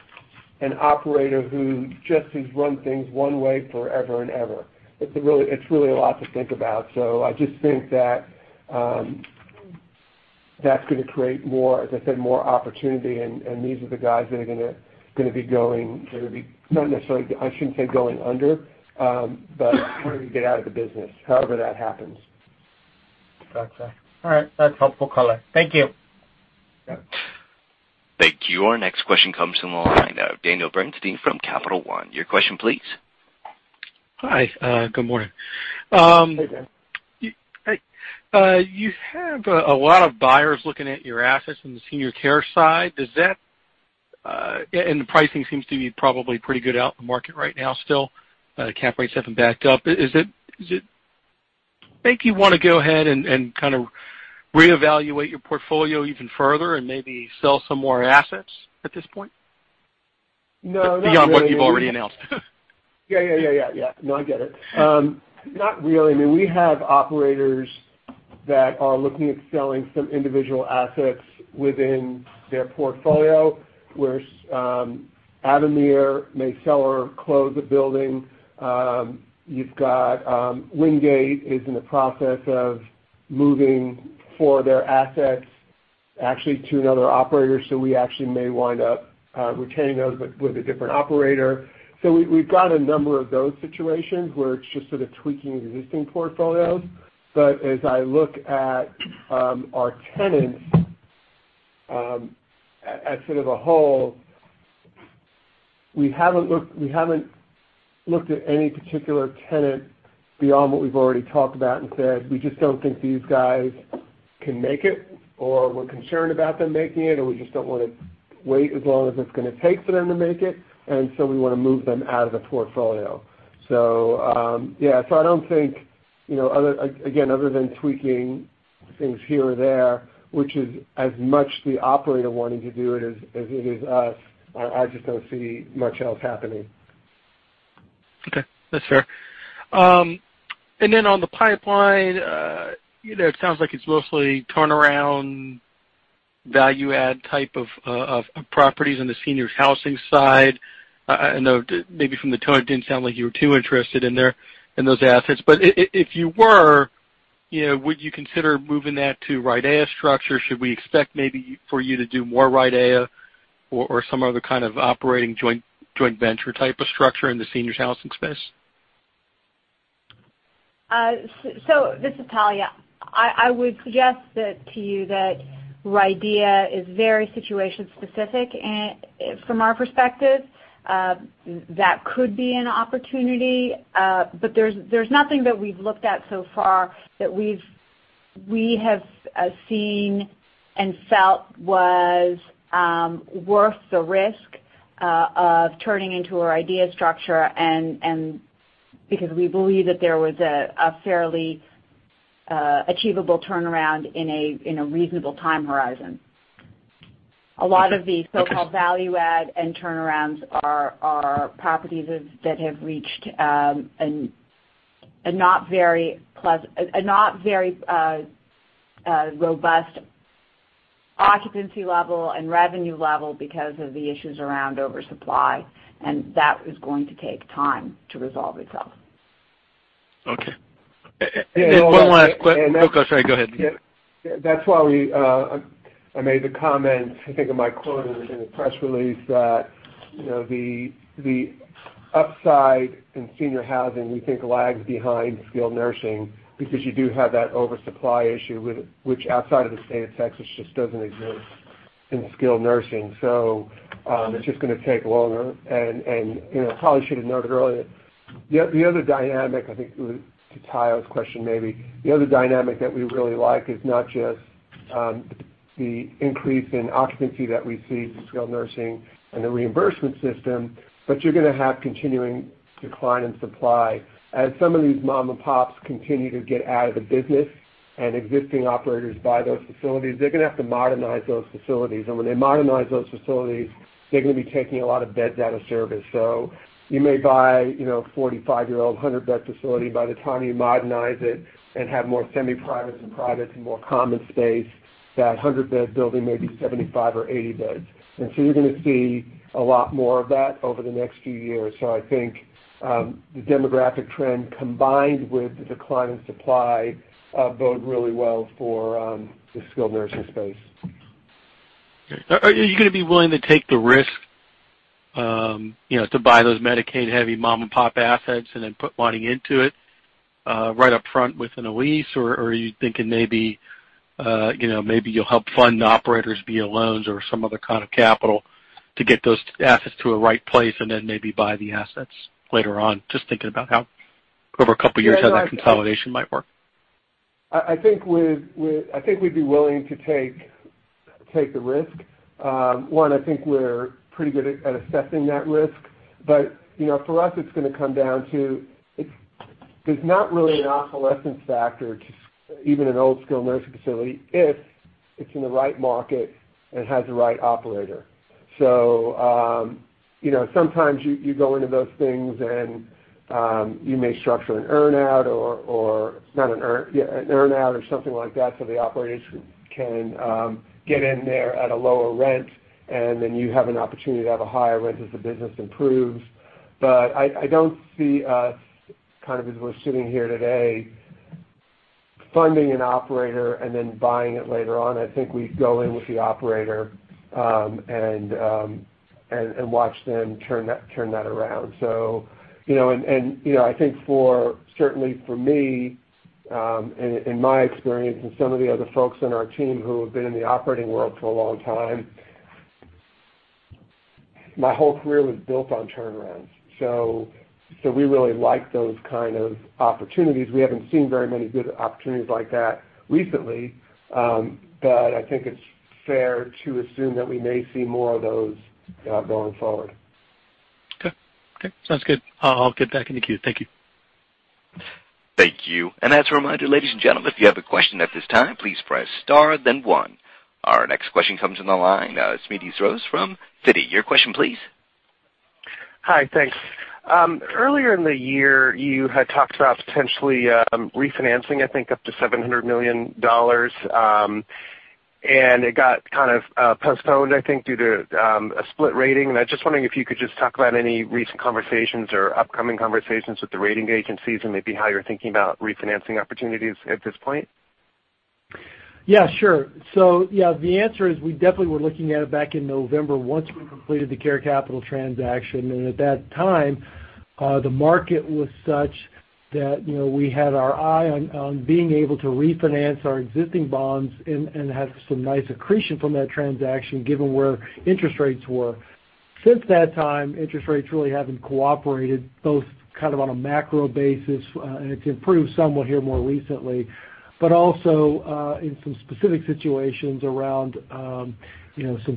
an operator who just has run things one way forever and ever, it's really a lot to think about. I just think that's going to create, as I said, more opportunity, and these are the guys that are going to be, I shouldn't say going under, but getting out of the business, however that happens. Got you. All right. That's helpful color. Thank you. Yeah. Thank you. Our next question comes from the line of Daniel Bernstein from Capital One. Your question, please. Hi. Good morning. Hey, Dan. Hi. You have a lot of buyers looking at your assets in the senior care side. The pricing seems to be probably pretty good out in the market right now, still. Cap rates haven't backed up. Does it make you want to go ahead and kind of reevaluate your portfolio even further and maybe sell some more assets at this point? No, not really. Beyond what you've already announced. No, I get it. Not really. We have operators that are looking at selling some individual assets within their portfolio, where Avamere may sell or close a building. You've got Wingate is in the process of moving four of their assets, actually, to another operator. We actually may wind up retaining those, but with a different operator. We've got a number of those situations where it's just sort of tweaking existing portfolios. As I look at our tenants as sort of a whole, we haven't looked at any particular tenant beyond what we've already talked about and said, we just don't think these guys can make it, or we're concerned about them making it, or we just don't want to wait as long as it's going to take for them to make it, we want to move them out of the portfolio. I don't think, again, other than tweaking things here or there, which is as much the operator wanting to do it as it is us, I just don't see much else happening. Okay. That's fair. On the pipeline, it sounds like it's mostly turnaround value add type of properties on the seniors housing side. I know maybe from the tone, it didn't sound like you were too interested in those assets. If you were, would you consider moving that to RIDEA structure? Should we expect maybe for you to do more RIDEA or some other kind of operating joint venture type of structure in the seniors housing space? This is Talia. I would suggest to you that RIDEA is very situation specific. From our perspective, that could be an opportunity. There's nothing that we've looked at so far that we have seen and felt was worth the risk of turning into our RIDEA structure because we believe that there was a fairly achievable turnaround in a reasonable time horizon. A lot of the so-called value add and turnarounds are properties that have reached a not very robust occupancy level and revenue level because of the issues around oversupply, that is going to take time to resolve itself. Okay. One last que- And- Sorry. Go ahead. That's why I made the comment, I think in my quote in the press release, that the upside in senior housing, we think lags behind skilled nursing because you do have that oversupply issue, which outside of the state of Texas, just doesn't exist in skilled nursing. It's just going to take longer. Talya should have noted earlier, the other dynamic, I think to Talia's question maybe, the other dynamic that we really like is not just the increase in occupancy that we see in skilled nursing and the reimbursement system, but you're going to have continuing decline in supply. As some of these mom and pops continue to get out of the business and existing operators buy those facilities, they're going to have to modernize those facilities. When they modernize those facilities, they're going to be taking a lot of beds out of service. You may buy a 45-year-old 100-bed facility. By the time you modernize it and have more semi-privates and privates and more common space, that 100-bed building may be 75 or 80 beds. You're going to see a lot more of that over the next few years. I think the demographic trend combined with the decline of supply bode really well for the skilled nursing space. Are you going to be willing to take the risk to buy those Medicaid-heavy mom-and-pop assets and then put money into it right up front within a lease? Or are you thinking maybe you'll help fund operators via loans or some other kind of capital to get those assets to a right place and then maybe buy the assets later on? Just thinking about how over a couple of years how that consolidation might work. I think we'd be willing to take the risk. One, I think we're pretty good at assessing that risk. For us, it's going to come down to There's not really an obsolescence factor to even an old skilled nursing facility if it's in the right market and has the right operator. Sometimes you go into those things and you may structure an earn-out or something like that so the operators can get in there at a lower rent, and then you have an opportunity to have a higher rent as the business improves. I don't see us, as we're sitting here today, funding an operator and then buying it later on. I think we go in with the operator, and watch them turn that around. I think certainly for me, in my experience, and some of the other folks on our team who have been in the operating world for a long time, my whole career was built on turnarounds. We really like those kind of opportunities. We haven't seen very many good opportunities like that recently, but I think it's fair to assume that we may see more of those going forward. Okay. Sounds good. I'll get back in the queue. Thank you. Thank you. As a reminder, ladies and gentlemen, if you have a question at this time, please press star then one. Our next question comes from the line of Smedes Rose from Citigroup. Your question, please. Hi, thanks. Earlier in the year, you had talked about potentially refinancing, I think, up to $700 million. It got kind of postponed, I think, due to a split rating. I'm just wondering if you could just talk about any recent conversations or upcoming conversations with the rating agencies, and maybe how you're thinking about refinancing opportunities at this point. Yeah, sure. The answer is we definitely were looking at it back in November once we completed the Care Capital transaction. At that time, the market was such that we had our eye on being able to refinance our existing bonds and have some nice accretion from that transaction, given where interest rates were. Since that time, interest rates really haven't cooperated, both kind of on a macro basis, and it's improved somewhat here more recently, but also in some specific situations around some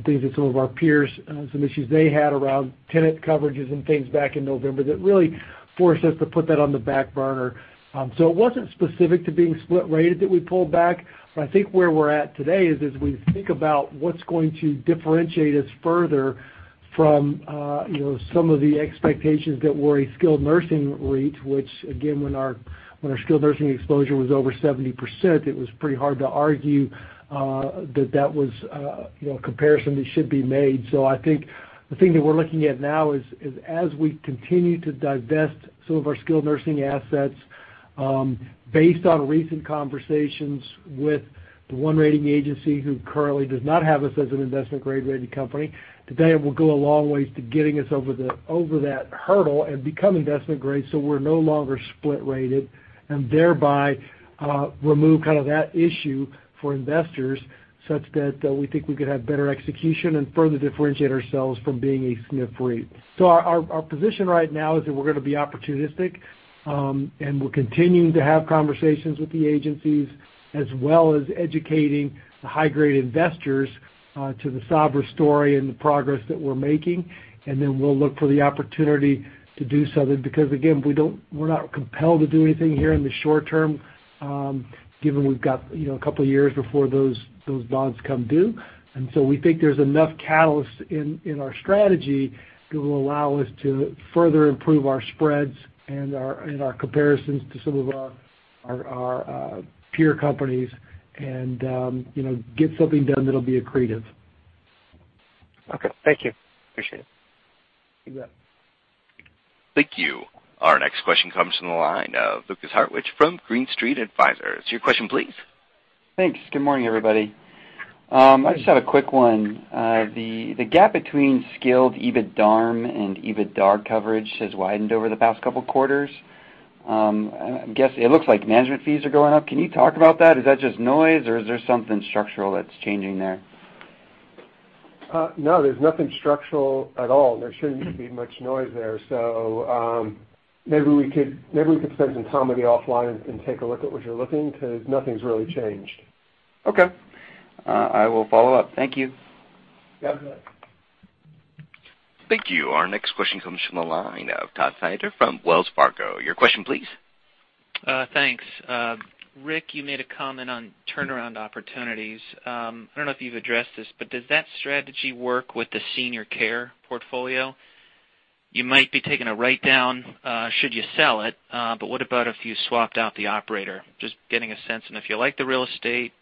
things that some of our peers, some issues they had around tenant coverages and things back in November that really forced us to put that on the back burner. It wasn't specific to being split rated that we pulled back. I think where we're at today is, as we think about what's going to differentiate us further from some of the expectations that we're a skilled nursing REIT, which again, when our skilled nursing exposure was over 70%, it was pretty hard to argue that that was a comparison that should be made. I think the thing that we're looking at now is as we continue to divest some of our skilled nursing assets, based on recent conversations with the one rating agency who currently does not have us as an investment-grade rated company, today it will go a long way to getting us over that hurdle and become investment-grade, so we're no longer split-rated, and thereby remove that issue for investors such that we think we could have better execution and further differentiate ourselves from being a SNF REIT. Our position right now is that we're going to be opportunistic, and we're continuing to have conversations with the agencies, as well as educating the high-grade investors to the Sabra story and the progress that we're making. Then we'll look for the opportunity to do so then, because again, we're not compelled to do anything here in the short term, given we've got a couple of years before those bonds come due. We think there's enough catalyst in our strategy that will allow us to further improve our spreads and our comparisons to some of our peer companies and get something done that'll be accretive. Okay. Thank you. Appreciate it. You bet. Thank you. Our next question comes from the line of Lukas Hartwich from Green Street Advisors. Your question, please. Thanks. Good morning, everybody. I just have a quick one. The gap between skilled EBITDARM and EBITDAR coverage has widened over the past couple quarters. I guess it looks like management fees are going up. Can you talk about that? Is that just noise, or is there something structural that's changing there? No, there's nothing structural at all. There shouldn't be much noise there. Maybe we could spend some time with you offline and take a look at what you're looking, because nothing's really changed. Okay. I will follow up. Thank you. Yeah. Thank you. Our next question comes from the line of Todd Stender from Wells Fargo. Your question, please. Thanks. Rick, you made a comment on turnaround opportunities. Does that strategy work with the senior care portfolio? You might be taking a write-down should you sell it, what about if you swapped out the operator? Just getting a sense, if you like the real estate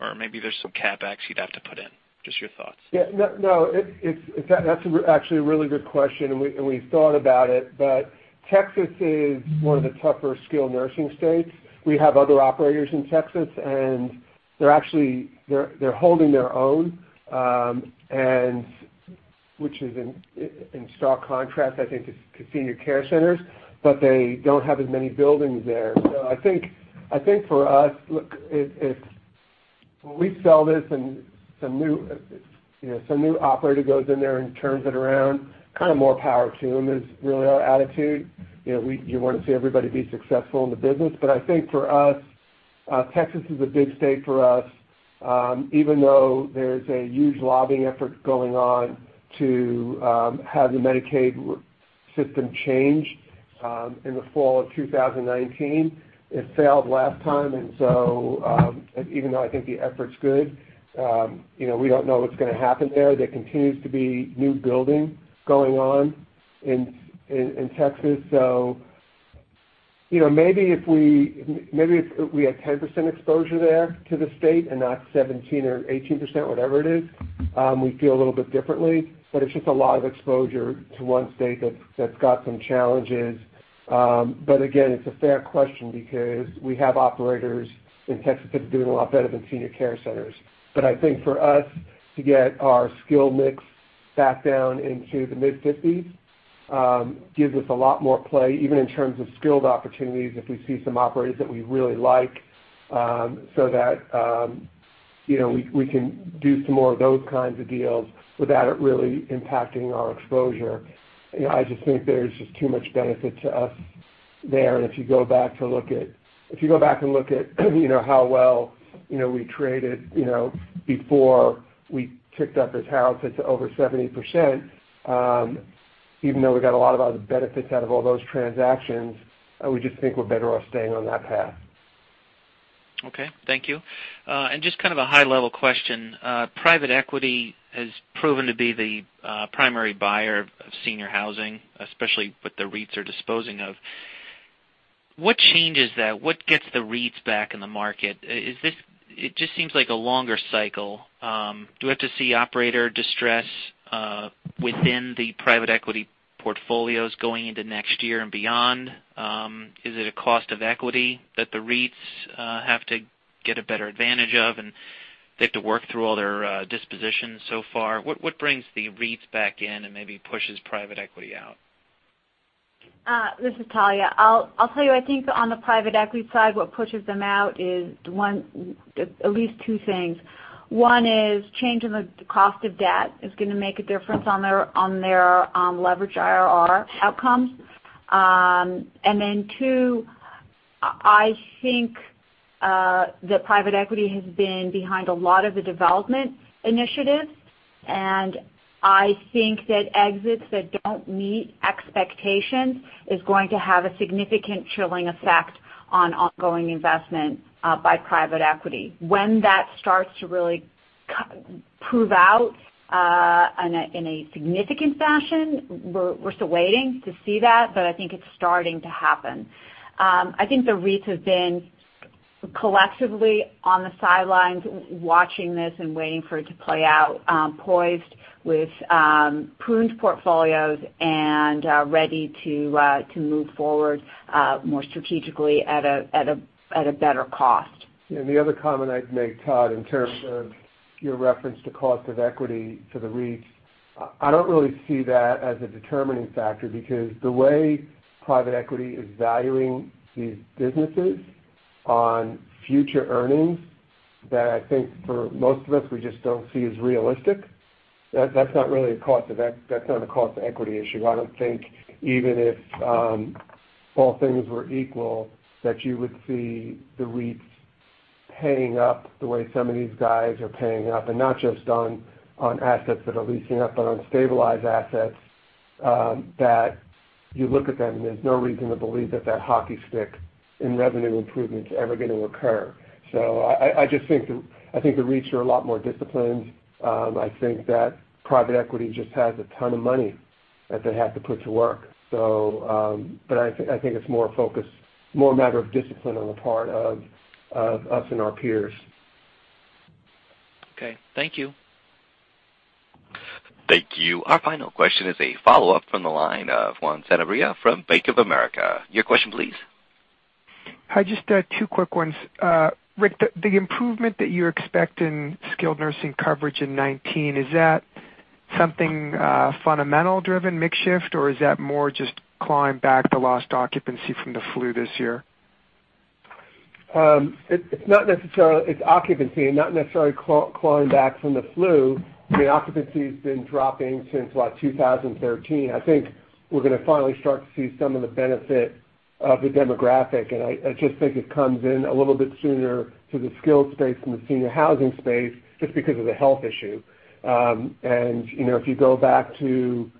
or maybe there's some CapEx you'd have to put in. Just your thoughts. That's actually a really good question, we thought about it. Texas is one of the tougher skilled nursing states. We have other operators in Texas, and they're holding their own, which is in stark contrast, I think, to Senior Care Centers, they don't have as many buildings there. I think for us, look, if we sell this, some new operator goes in there and turns it around, kind of more power to them is really our attitude. You want to see everybody be successful in the business. I think for us, Texas is a big state for us. Even though there's a huge lobbying effort going on to have the Medicaid system change in the fall of 2019. It failed last time, even though I think the effort's good, we don't know what's going to happen there. There continues to be new building going on in Texas. Maybe if we had 10% exposure there to the state and not 17% or 18%, whatever it is, we'd feel a little bit differently, it's just a lot of exposure to one state that's got some challenges. Again, it's a fair question because we have operators in Texas that are doing a lot better than Senior Care Centers. I think for us to get our skill mix back down into the mid-50s, gives us a lot more play, even in terms of skilled opportunities if we see some operators that we really like, so that we can do some more of those kinds of deals without it really impacting our exposure. I just think there's just too much benefit to us there. If you go back and look at how well we traded before we ticked up this house, it's over 70%, even though we got a lot of other benefits out of all those transactions, we just think we're better off staying on that path. Okay. Thank you. Just a high-level question. Private equity has proven to be the primary buyer of senior housing, especially what the REITs are disposing of. What changes that? What gets the REITs back in the market? It just seems like a longer cycle. Do we have to see operator distress within the private equity portfolios going into next year and beyond? Is it a cost of equity that the REITs have to get a better advantage of, and they have to work through all their dispositions so far? What brings the REITs back in and maybe pushes private equity out? This is Talya. I'll tell you, I think on the private equity side, what pushes them out is at least two things. One is change in the cost of debt is going to make a difference on their leverage IRR outcomes. Two, I think that private equity has been behind a lot of the development initiatives, and I think that exits that don't meet expectations is going to have a significant chilling effect on ongoing investment by private equity. When that starts to really prove out in a significant fashion, we're still waiting to see that, but I think it's starting to happen. I think the REITs have been collectively on the sidelines watching this and waiting for it to play out, poised with pruned portfolios and ready to move forward more strategically at a better cost. The other comment I'd make, Todd, in terms of your reference to cost of equity to the REITs, I don't really see that as a determining factor because the way private equity is valuing these businesses on future earnings that I think for most of us, we just don't see as realistic. That's not a cost of equity issue. I don't think even if all things were equal, that you would see the REITs paying up the way some of these guys are paying up, and not just on assets that are leasing up, but on stabilized assets that you look at them and there's no reason to believe that that hockey stick in revenue improvement's ever going to occur. I think the REITs are a lot more disciplined. I think that private equity just has a ton of money that they have to put to work. I think it's more a matter of discipline on the part of us and our peers. Okay. Thank you. Thank you. Our final question is a follow-up from the line of Juan Sanabria from Bank of America. Your question please. Hi, just two quick ones. Rick, the improvement that you expect in skilled nursing coverage in 2019, is that something fundamental driven mix shift, or is that more just climb back the lost occupancy from the flu this year? It's occupancy and not necessarily clawing back from the flu. The occupancy's been dropping since like 2013. I think we're going to finally start to see some of the benefit of the demographic. I just think it comes in a little bit sooner to the skilled space than the senior housing space, just because of the health issue. If you go back to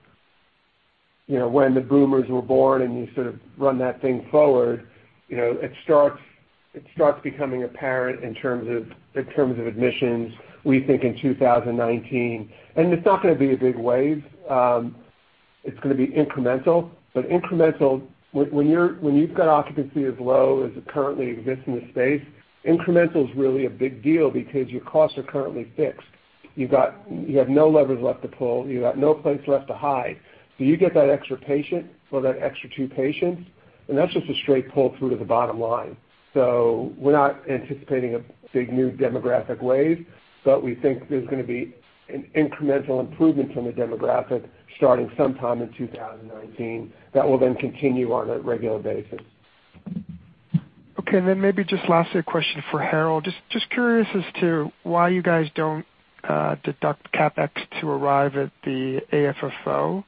when the boomers were born and you sort of run that thing forward, it starts becoming apparent in terms of admissions, we think in 2019. It's not going to be a big wave. It's going to be incremental, but incremental, when you've got occupancy as low as it currently exists in the space, incremental's really a big deal because your costs are currently fixed. You have no levers left to pull. You have no place left to hide. You get that extra patient or that extra two patients, and that's just a straight pull through to the bottom line. We're not anticipating a big new demographic wave, but we think there's going to be an incremental improvement from the demographic starting sometime in 2019 that will then continue on a regular basis. Okay, then maybe just lastly, a question for Harold. Just curious as to why you guys don't deduct CapEx to arrive at the AFFO,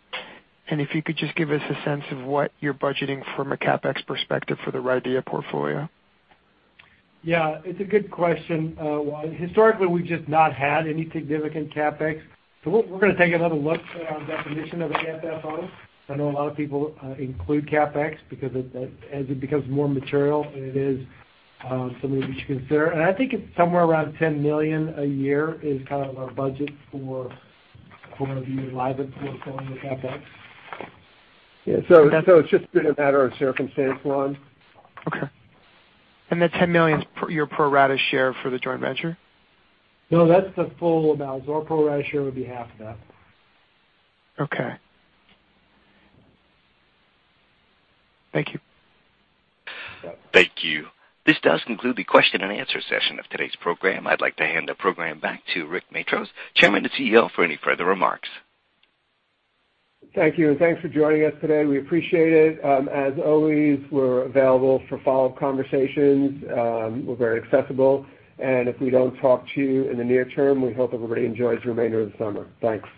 and if you could just give us a sense of what you're budgeting from a CapEx perspective for the RIDEA portfolio. Yeah, it's a good question, Juan. Historically, we've just not had any significant CapEx. We're going to take another look at our definition of an AFFO. I know a lot of people include CapEx because as it becomes more material, and it is something that we should consider. I think it's somewhere around $10 million a year is kind of our budget for the RIDEA portfolio with CapEx. Yeah. It's just been a matter of circumstance, Juan. Okay. That $10 million's your pro rata share for the joint venture? No, that's the full amount. Our pro rata share would be half of that. Okay. Thank you. Thank you. This does conclude the question and answer session of today's program. I'd like to hand the program back to Rick Matros, Chairman and CEO, for any further remarks. Thank you. Thanks for joining us today. We appreciate it. As always, we're available for follow-up conversations. We're very accessible, and if we don't talk to you in the near term, we hope everybody enjoys the remainder of the summer. Thanks.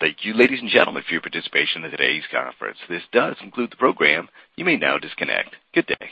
Thank you, ladies and gentlemen, for your participation in today's conference. This does conclude the program. You may now disconnect. Good day.